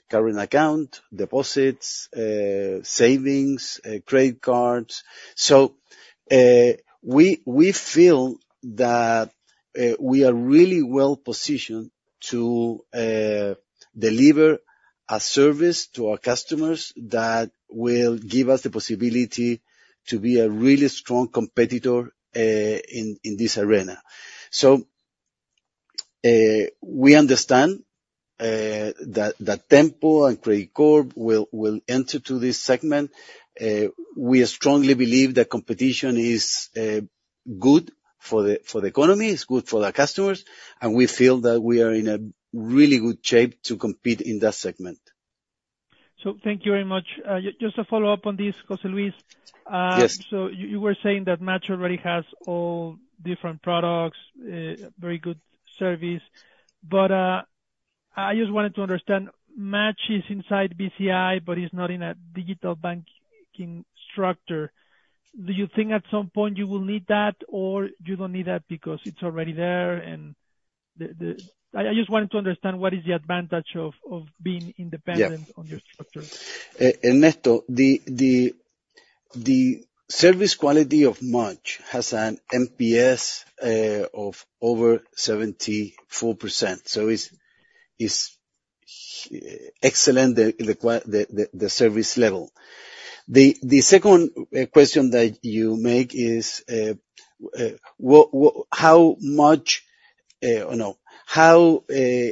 current account, deposits, savings, credit cards. We feel that we are really well positioned to deliver a service to our customers that will give us the possibility to be a really strong competitor in this arena. We understand that Tenpo and Credicorp will enter to this segment. We strongly believe that competition is good for the economy, it's good for the customers, and we feel that we are in a really good shape to compete in that segment. Thank you very much. Just to follow up on this, José Luis. Yes. You were saying that MACH already has all different products, very good service. I just wanted to understand, MACH is inside Bci, but it's not in a digital banking structure. Do you think at some point you will need that or you don't need that because it's already there? I just wanted to understand what is the advantage of being independent? Yeah. On your structure. Ernesto, the service quality of MACH has an NPS of over 74%, so it's excellent, the service level. The second question that you make is how MACH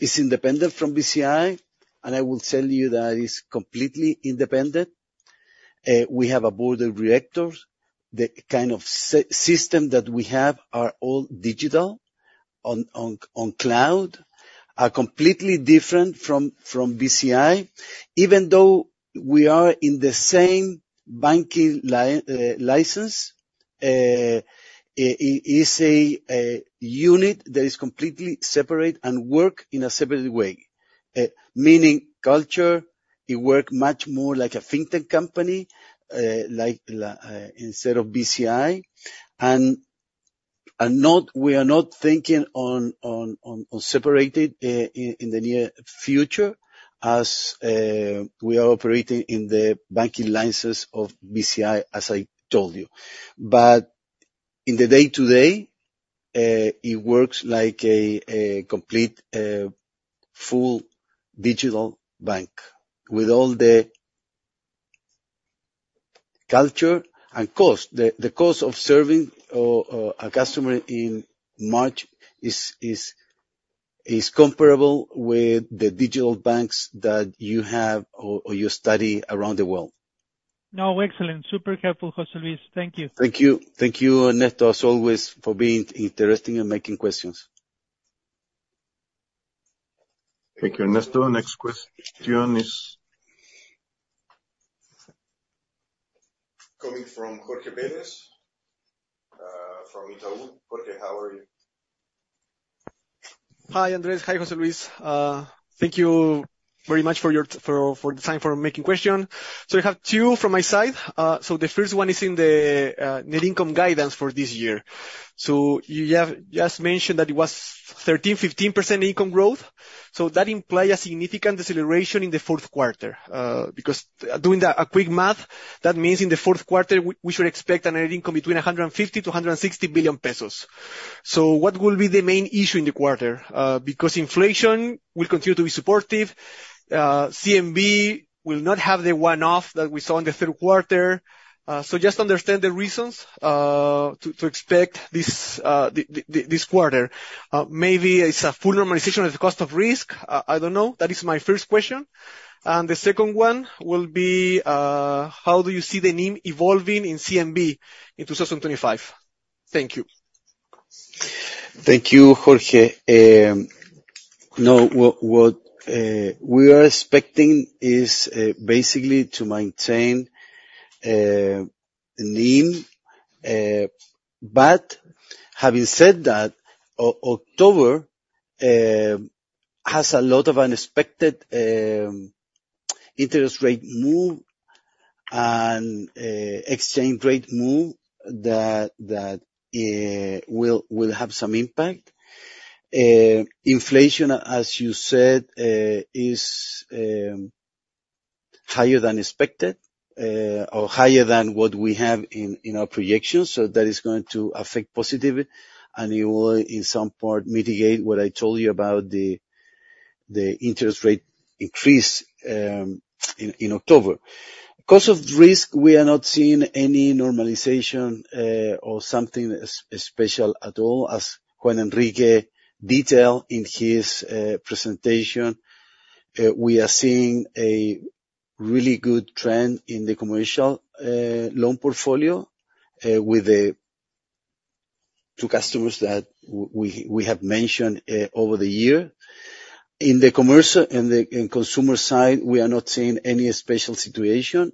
is independent from Bci, and I will tell you that it's completely independent. We have a board of directors. The kind of system that we have are all digital on cloud, are completely different from Bci. Even though we are in the same banking license, it's a unit that is completely separate and work in a separate way. Meaning culture, it work much more like a fintech company, like instead of Bci, and we are not thinking on separating in the near future as we are operating in the banking licenses of Bci, as I told you. In the day-to-day, it works like a complete full digital bank with all the culture. The cost of serving a customer in MACH is comparable with the digital banks that you have or you study around the world. No, excellent. Super helpful, José Luis. Thank you. Thank you. Thank you, Ernesto, as always, for being interesting and making questions. Thank you, Ernesto. Next question is coming from Jorge Vélez, from Itaú. Jorge, how are you? Hi, Andrés. Hi, José Luis. Thank you very much for the time for making question. I have two from my side. The first one is in the net income guidance for this year. You have just mentioned that it was 13%-15% income growth, so that imply a significant deceleration in the fourth quarter. Doing a quick math, that means in the fourth quarter we should expect a net income between 150 billion-160 billion pesos. What will be the main issue in the quarter? Inflation will continue to be supportive, CNB will not have the one-off that we saw in the third quarter. Just understand the reasons to expect this quarter. Maybe it's a full normalization of the cost of risk. I don't know. That is my first question. The second one will be, how do you see the NIM evolving in CNB in 2025? Thank you. Thank you, Jorge. No, what we are expecting is basically to maintain NIM. Having said that, October has a lot of unexpected interest rate move and exchange rate move that will have some impact. Inflation, as you said, is higher than expected or higher than what we have in our projections, so that is going to affect positive and it will in some part mitigate what I told you about the interest rate increase in October. Cost of risk, we are not seeing any normalization or something special at all, as Juan Enrique detailed in his presentation. We are seeing a really good trend in the commercial loan portfolio with the two customers that we have mentioned over the year. In the commercial and in consumer side, we are not seeing any special situation.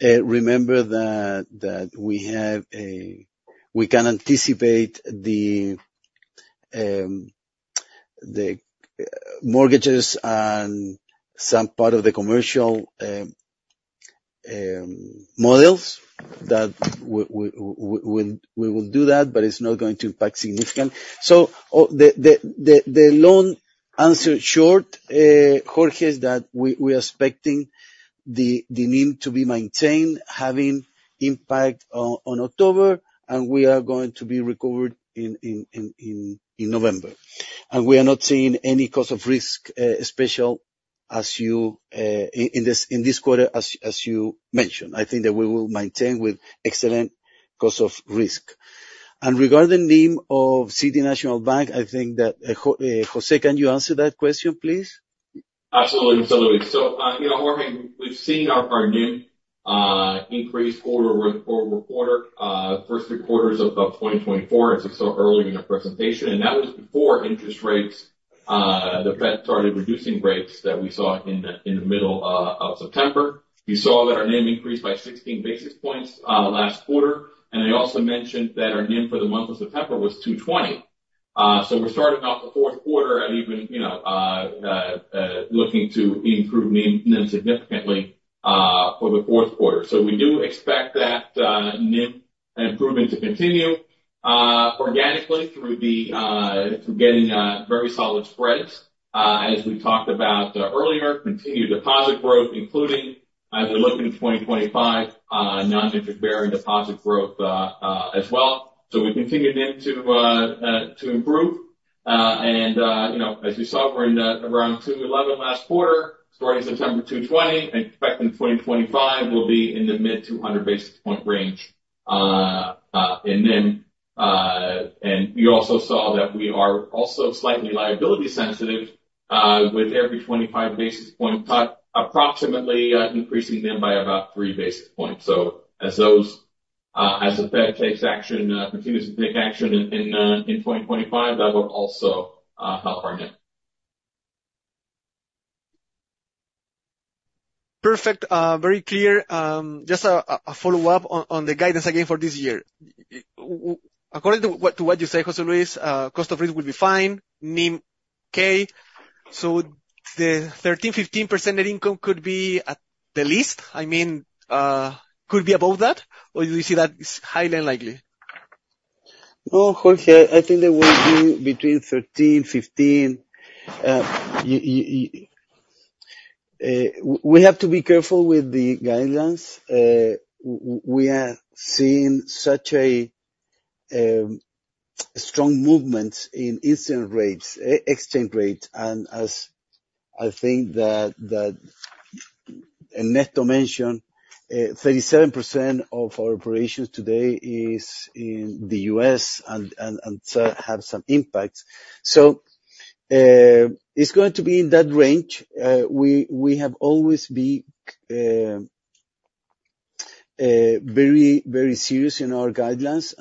Remember that we can anticipate the mortgages and some part of the commercial models that we will do that, but it's not going to impact significantly. The long answer short, Jorge, is that we are expecting the NIM to be maintained having impact on October, and we are going to be recovered in November. We are not seeing any cost of risk special in this quarter as you mentioned. I think that we will maintain with excellent cost of risk. Regarding NIM of City National Bank, I think that José can answer that question, please. Absolutely, José Luis. You know, Jorge, we've seen our NIM increase quarter-over-quarter first three quarters of 2024 as I saw earlier in your presentation, and that was before interest rates, the Fed started reducing rates that we saw in the middle of September. We saw that our NIM increased by 16 basis points last quarter, and I also mentioned that our NIM for the month of September was 2.20%. We're starting off the fourth quarter and even, you know, looking to improve NIM significantly for the fourth quarter. We do expect that NIM improvement to continue organically through getting very solid spreads. As we talked about earlier, continued deposit growth, including as we look into 2025, non-interest-bearing deposit growth as well. We continue NIM to improve. You know, as you saw, we're around 2.11% last quarter, starting September 2.20%, and expect in 2025, we'll be in the mid-200 basis point range in NIM. You also saw that we are also slightly liability sensitive, with every 25 basis point cut, approximately, increasing NIM by about 3 basis points. As the Fed takes action, continues to take action in 2025, that will also help our NIM. Perfect. Very clear. Just a follow-up on the guidance again for this year. According to what you say, José Luis, cost of risk will be fine, NIM, okay. The 13%-15% net income could be at the least? I mean, could be above that, or you see that as highly unlikely? No, Jorge, I think they will be between 13%-15%. We have to be careful with the guidelines. We are seeing such a strong movement in interest rates, exchange rates. As I think that and Neto mentioned, 37% of our operations today is in the U.S. and have some impact. It's going to be in that range. We have always been very serious in our guidelines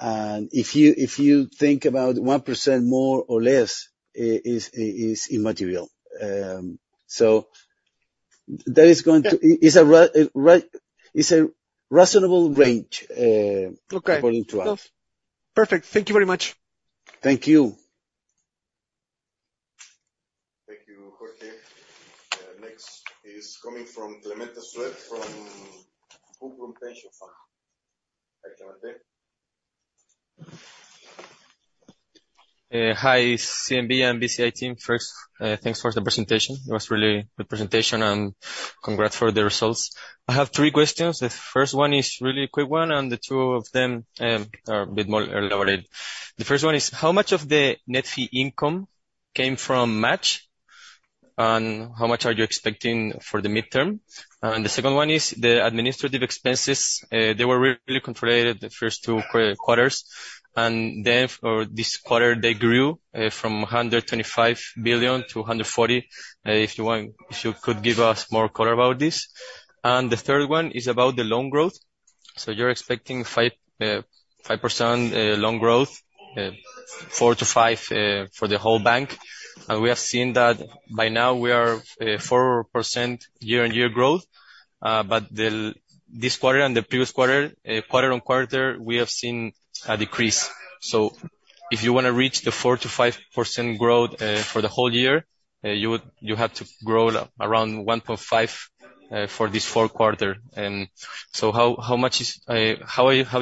and if you think about 1% more or less is immaterial. That is going to Yeah. It's a reasonable range. Okay. According to us. Perfect. Thank you very much. Thank you. Thank you, Jorge. Next is coming from Clemente Sué from Cuprum Pension Fund. Hi, Clemente. Hi, CNB and Bci team. First, thanks for the presentation. It was really good presentation and congrats for the results. I have three questions. The first one is really quick one, and the two of them are a bit more elaborated. The first one is, how much of the net fee income came from MACH, and how much are you expecting for the midterm? The second one is the administrative expenses. They were really controlled the first two quarters, and then for this quarter, they grew from 125 billion-140 billion. If you want, if you could give us more color about this. The third one is about the loan growth. You're expecting 5% loan growth, 4%-5% for the whole bank. We have seen that by now we are 4% year-over-year growth. This quarter and the previous quarter-over-quarter, we have seen a decrease. If you wanna reach the 4%-5% growth for the whole year, you have to grow around 1.5% for this fourth quarter. How have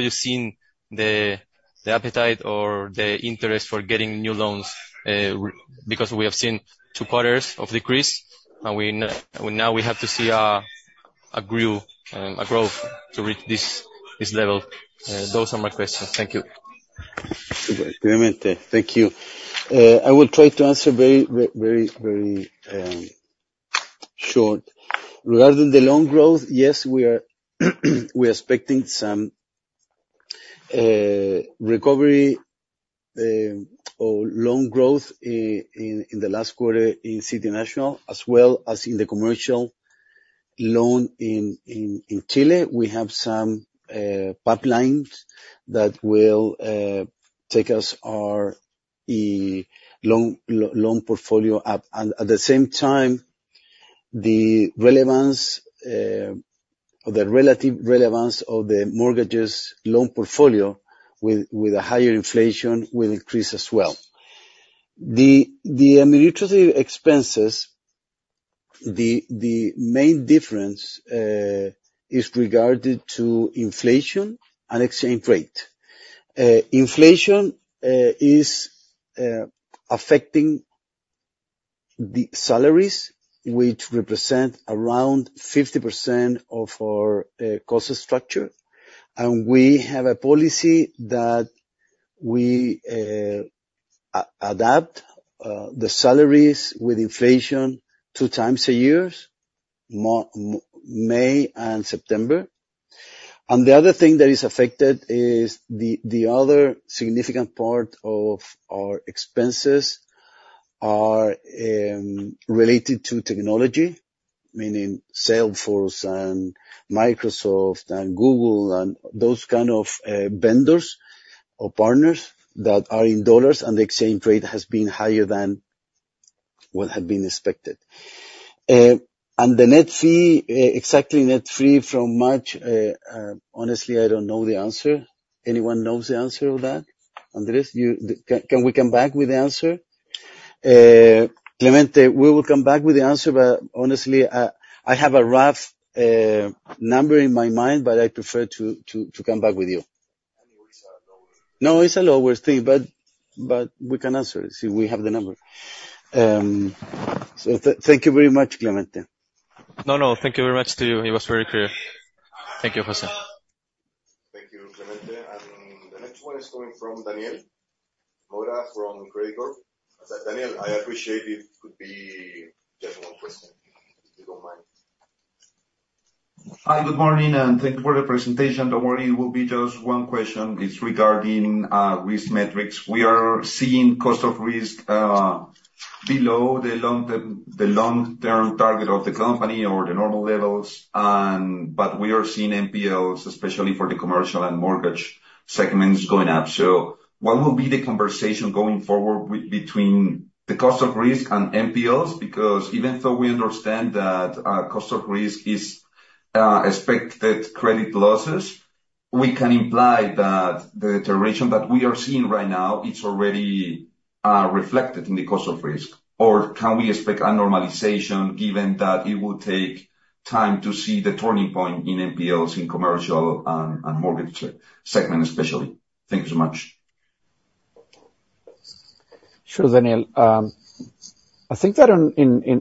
you seen the appetite or the interest for getting new loans? Because we have seen two quarters of decrease and now we have to see a growth to reach this level. Those are my questions. Thank you. Clemente, thank you. I will try to answer very short. Regarding the loan growth, yes, we are expecting some recovery or loan growth in the last quarter in City National as well as in the commercial loan in Chile. We have some pipelines that will take our loan portfolio up. At the same time, the relative relevance of the mortgage loan portfolio with a higher inflation will increase as well. The administrative expenses, the main difference is related to inflation and exchange rate. Inflation is affecting the salaries, which represent around 50% of our cost structure. We have a policy that we adapt the salaries with inflation two times a year, May and September. The other thing that is affected is the other significant part of our expenses are related to technology, meaning Salesforce and Microsoft and Google and those kind of vendors or partners that are in U.S. dollars, and the exchange rate has been higher than what had been expected. The net fee exactly net fee from March, honestly, I don't know the answer. Anyone knows the answer of that? Andrés, you can we come back with the answer? Clemente, we will come back with the answer, but honestly, I have a rough number in my mind, but I prefer to come back with you. Anyway, it's a lower. No, it's a lower fee, but we can answer it, see we have the number. Thank you very much, Clemente. No, no, thank you very much to you. It was very clear. Thank you, José. Thank you, Clemente. The next one is coming from Daniel Mora from Credicorp. Daniel, I appreciate if it could be just one question, if you don't mind. Hi, good morning, and thank you for the presentation. Don't worry, it will be just one question. It's regarding risk metrics. We are seeing cost of risk below the long-term target of the company or the normal levels, but we are seeing NPLs, especially for the commercial and mortgage segments, going up. What will be the conversation going forward between the cost of risk and NPLs? Even though we understand that cost of risk is expected credit losses, we can imply that the deterioration that we are seeing right now, it's already reflected in the cost of risk. Can we expect a normalization given that it will take time to see the turning point in NPLs in commercial and mortgage segment especially? Thank you so much. Sure, Daniel. I think that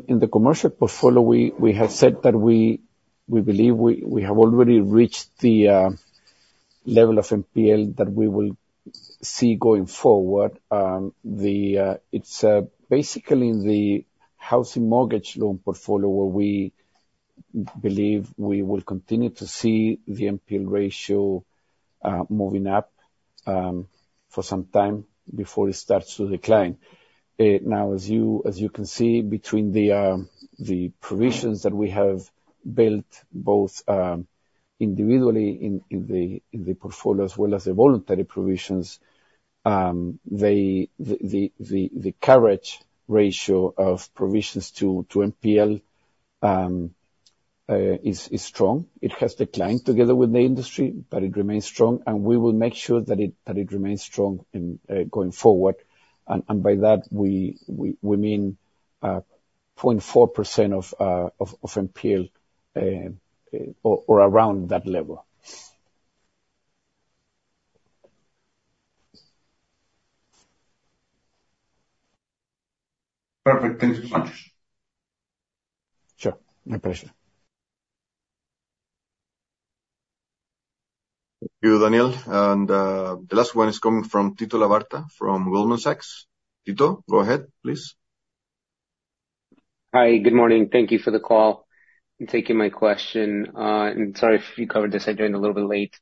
in the commercial portfolio, we have said that we believe we have already reached the level of NPL that we will see going forward. It's basically the housing mortgage loan portfolio where we believe we will continue to see the NPL ratio moving up for some time before it starts to decline. Now as you can see, between the provisions that we have built, both individually in the portfolio as well as the voluntary provisions, the coverage ratio of provisions to NPL is strong. It has declined together with the industry, but it remains strong, and we will make sure that it remains strong going forward. By that we mean 0.4% of NPL or around that level. Perfect. Thank you so much. Sure. No pressure. Thank you, Daniel. The last one is coming from Tito Labarta from Goldman Sachs. Tito, go ahead, please. Hi. Good morning. Thank you for the call and taking my question. Sorry if you covered this. I joined a little bit late.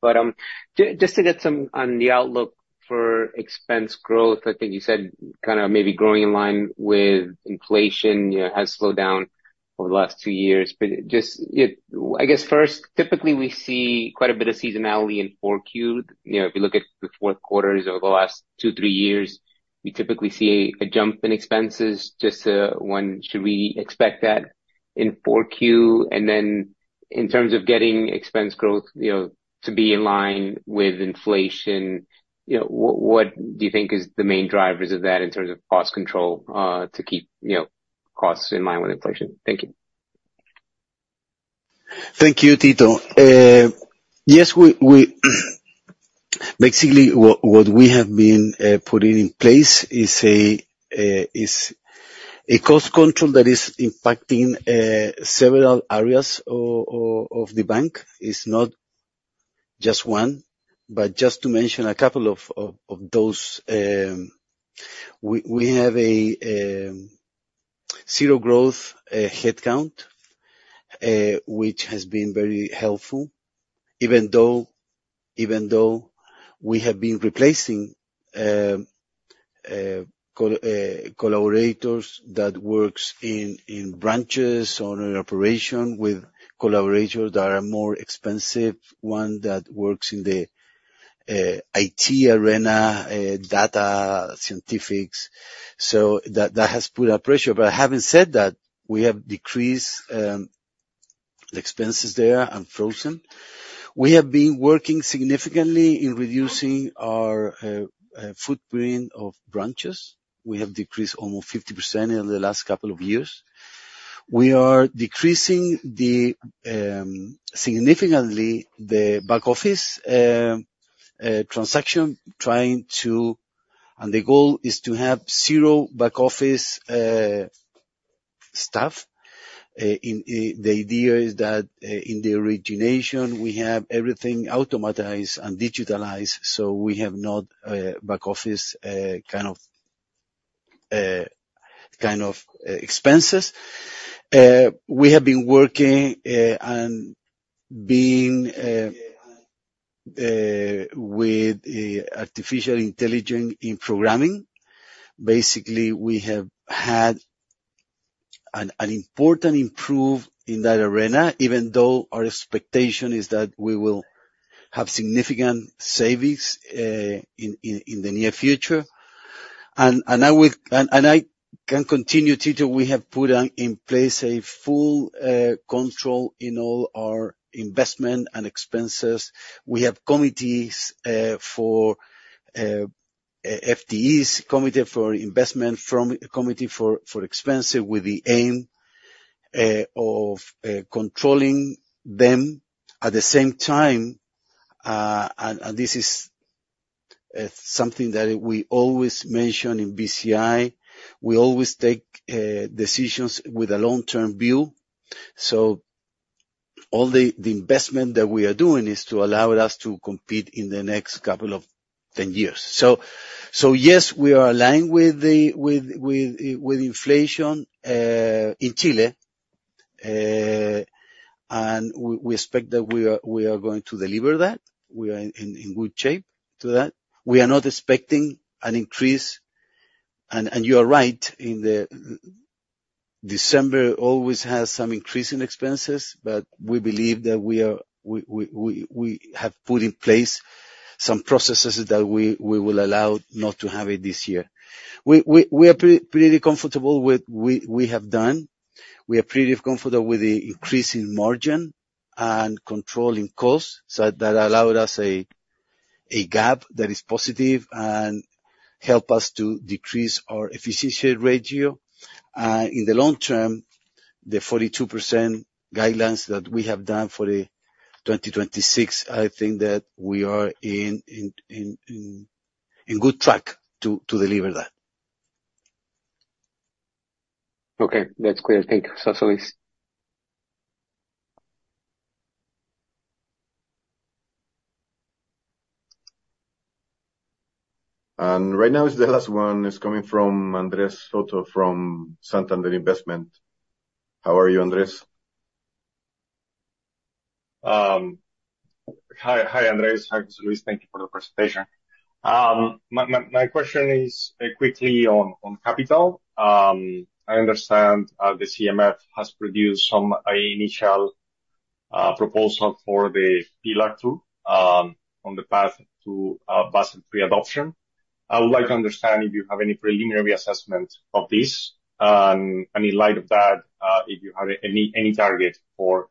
Just to get some on the outlook for expense growth, I think you said kind of maybe growing in line with inflation, you know, has slowed down over the last two years. Just yeah, I guess first, typically we see quite a bit of seasonality in 4Q. You know, if you look at the fourth quarters over the last two, three years, we typically see a jump in expenses. Just when should we expect that in 4Q? In terms of getting expense growth, you know, to be in line with inflation, you know, what do you think is the main drivers of that in terms of cost control to keep, you know, costs in line with inflation? Thank you. Thank you, Tito. Yes, basically, what we have been putting in place is a cost control that is impacting several areas of the bank. It's not just one, but just to mention a couple of those, we have a zero growth headcount, which has been very helpful, even though we have been replacing collaborators that works in branches or in operation with collaborators that are more expensive, ones that work in the IT arena, data scientists. So that has put upward pressure. But having said that, we have decreased expenses there and frozen. We have been working significantly in reducing our footprint of branches. We have decreased almost 50% in the last couple of years. We are decreasing significantly the back office transaction. The goal is to have zero back office staff. In the origination, we have everything automated and digitized, so we have no back office kind of expenses. We have been working with artificial intelligence in programming. Basically, we have had an important improvement in that arena, even though our expectation is that we will have significant savings in the near future. I can continue, Tito. We have put in place full control in all our investment and expenses. We have committees for FTEs, committee for investment, committee for expense with the aim of controlling them. At the same time, and this is something that we always mention in Bci, we always take decisions with a long-term view. All the investment that we are doing is to allow us to compete in the next couple of 10 years. Yes, we are aligned with inflation in Chile. We expect that we are going to deliver that. We are in good shape for that. We are not expecting an increase. You are right, December always has some increase in expenses, but we believe that we have put in place some processes that will allow us not to have it this year. We are pretty comfortable with what we have done. We are pretty comfortable with the increase in margin and controlling costs. That allowed us a gap that is positive and help us to decrease our efficiency ratio. In the long term, the 42% guidelines that we have done for the 2026, I think that we are on good track to deliver that. Okay, that's clear. Thank you, José Luis. Right now is the last one. It's coming from Andres Soto from Santander Investment. How are you, Andres? Hi, Andrés. Hi, José Luis. Thank you for the presentation. My question is quickly on capital. I understand the CMF has produced some initial proposal for the Pillar II on the path to Basel III adoption. I would like to understand if you have any preliminary assessment of this, and in light of that, if you have any target for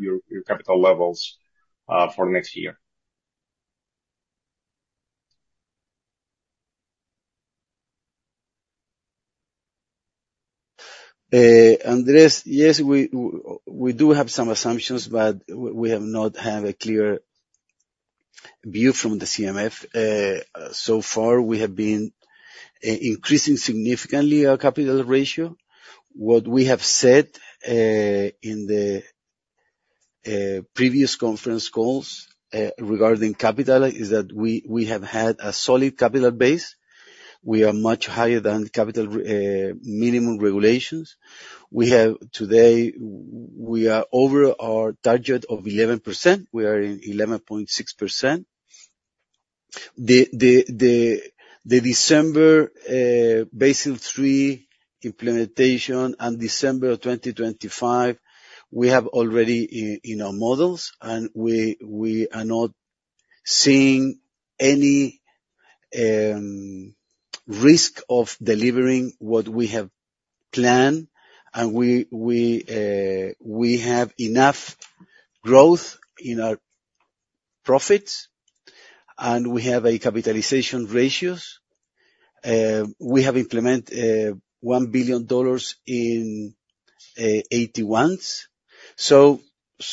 your capital levels for next year. Andres, yes, we do have some assumptions, but we have not had a clear view from the CMF. So far, we have been increasing significantly our capital ratio. What we have said in the previous conference calls regarding capital is that we have had a solid capital base. We are much higher than capital minimum regulations. Today, we are over our target of 11%. We are in 11.6%. The December Basel III implementation and December of 2025, we have already in our models, and we are not seeing any risk of delivering what we have planned, and we have enough growth in our profits, and we have a capitalization ratios. We have implemented $1 billion in AT1s.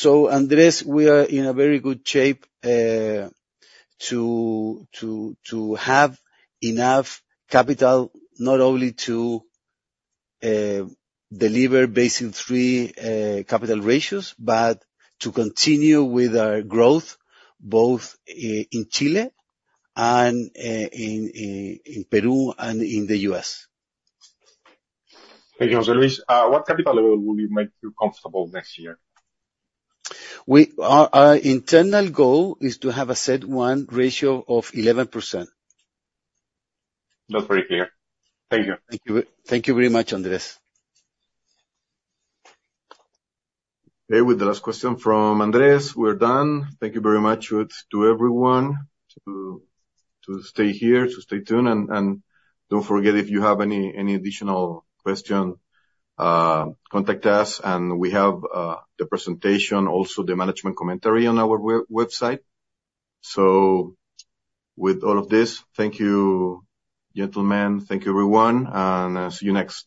Andres, we are in a very good shape to have enough capital not only to deliver Basel III capital ratios, but to continue with our growth both in Chile and in Peru and in the U.S. Thank you, José Luis. What capital level will make you comfortable next year? Our internal goal is to have a CET1 ratio of 11%. That's very clear. Thank you. Thank you. Thank you very much, Andres. Okay. With the last question from Andres, we're done. Thank you very much to everyone to stay here, to stay tuned. Don't forget, if you have any additional question, contact us, and we have the presentation, also the management commentary on our website. With all of this, thank you, gentlemen. Thank you, everyone, and see you next time.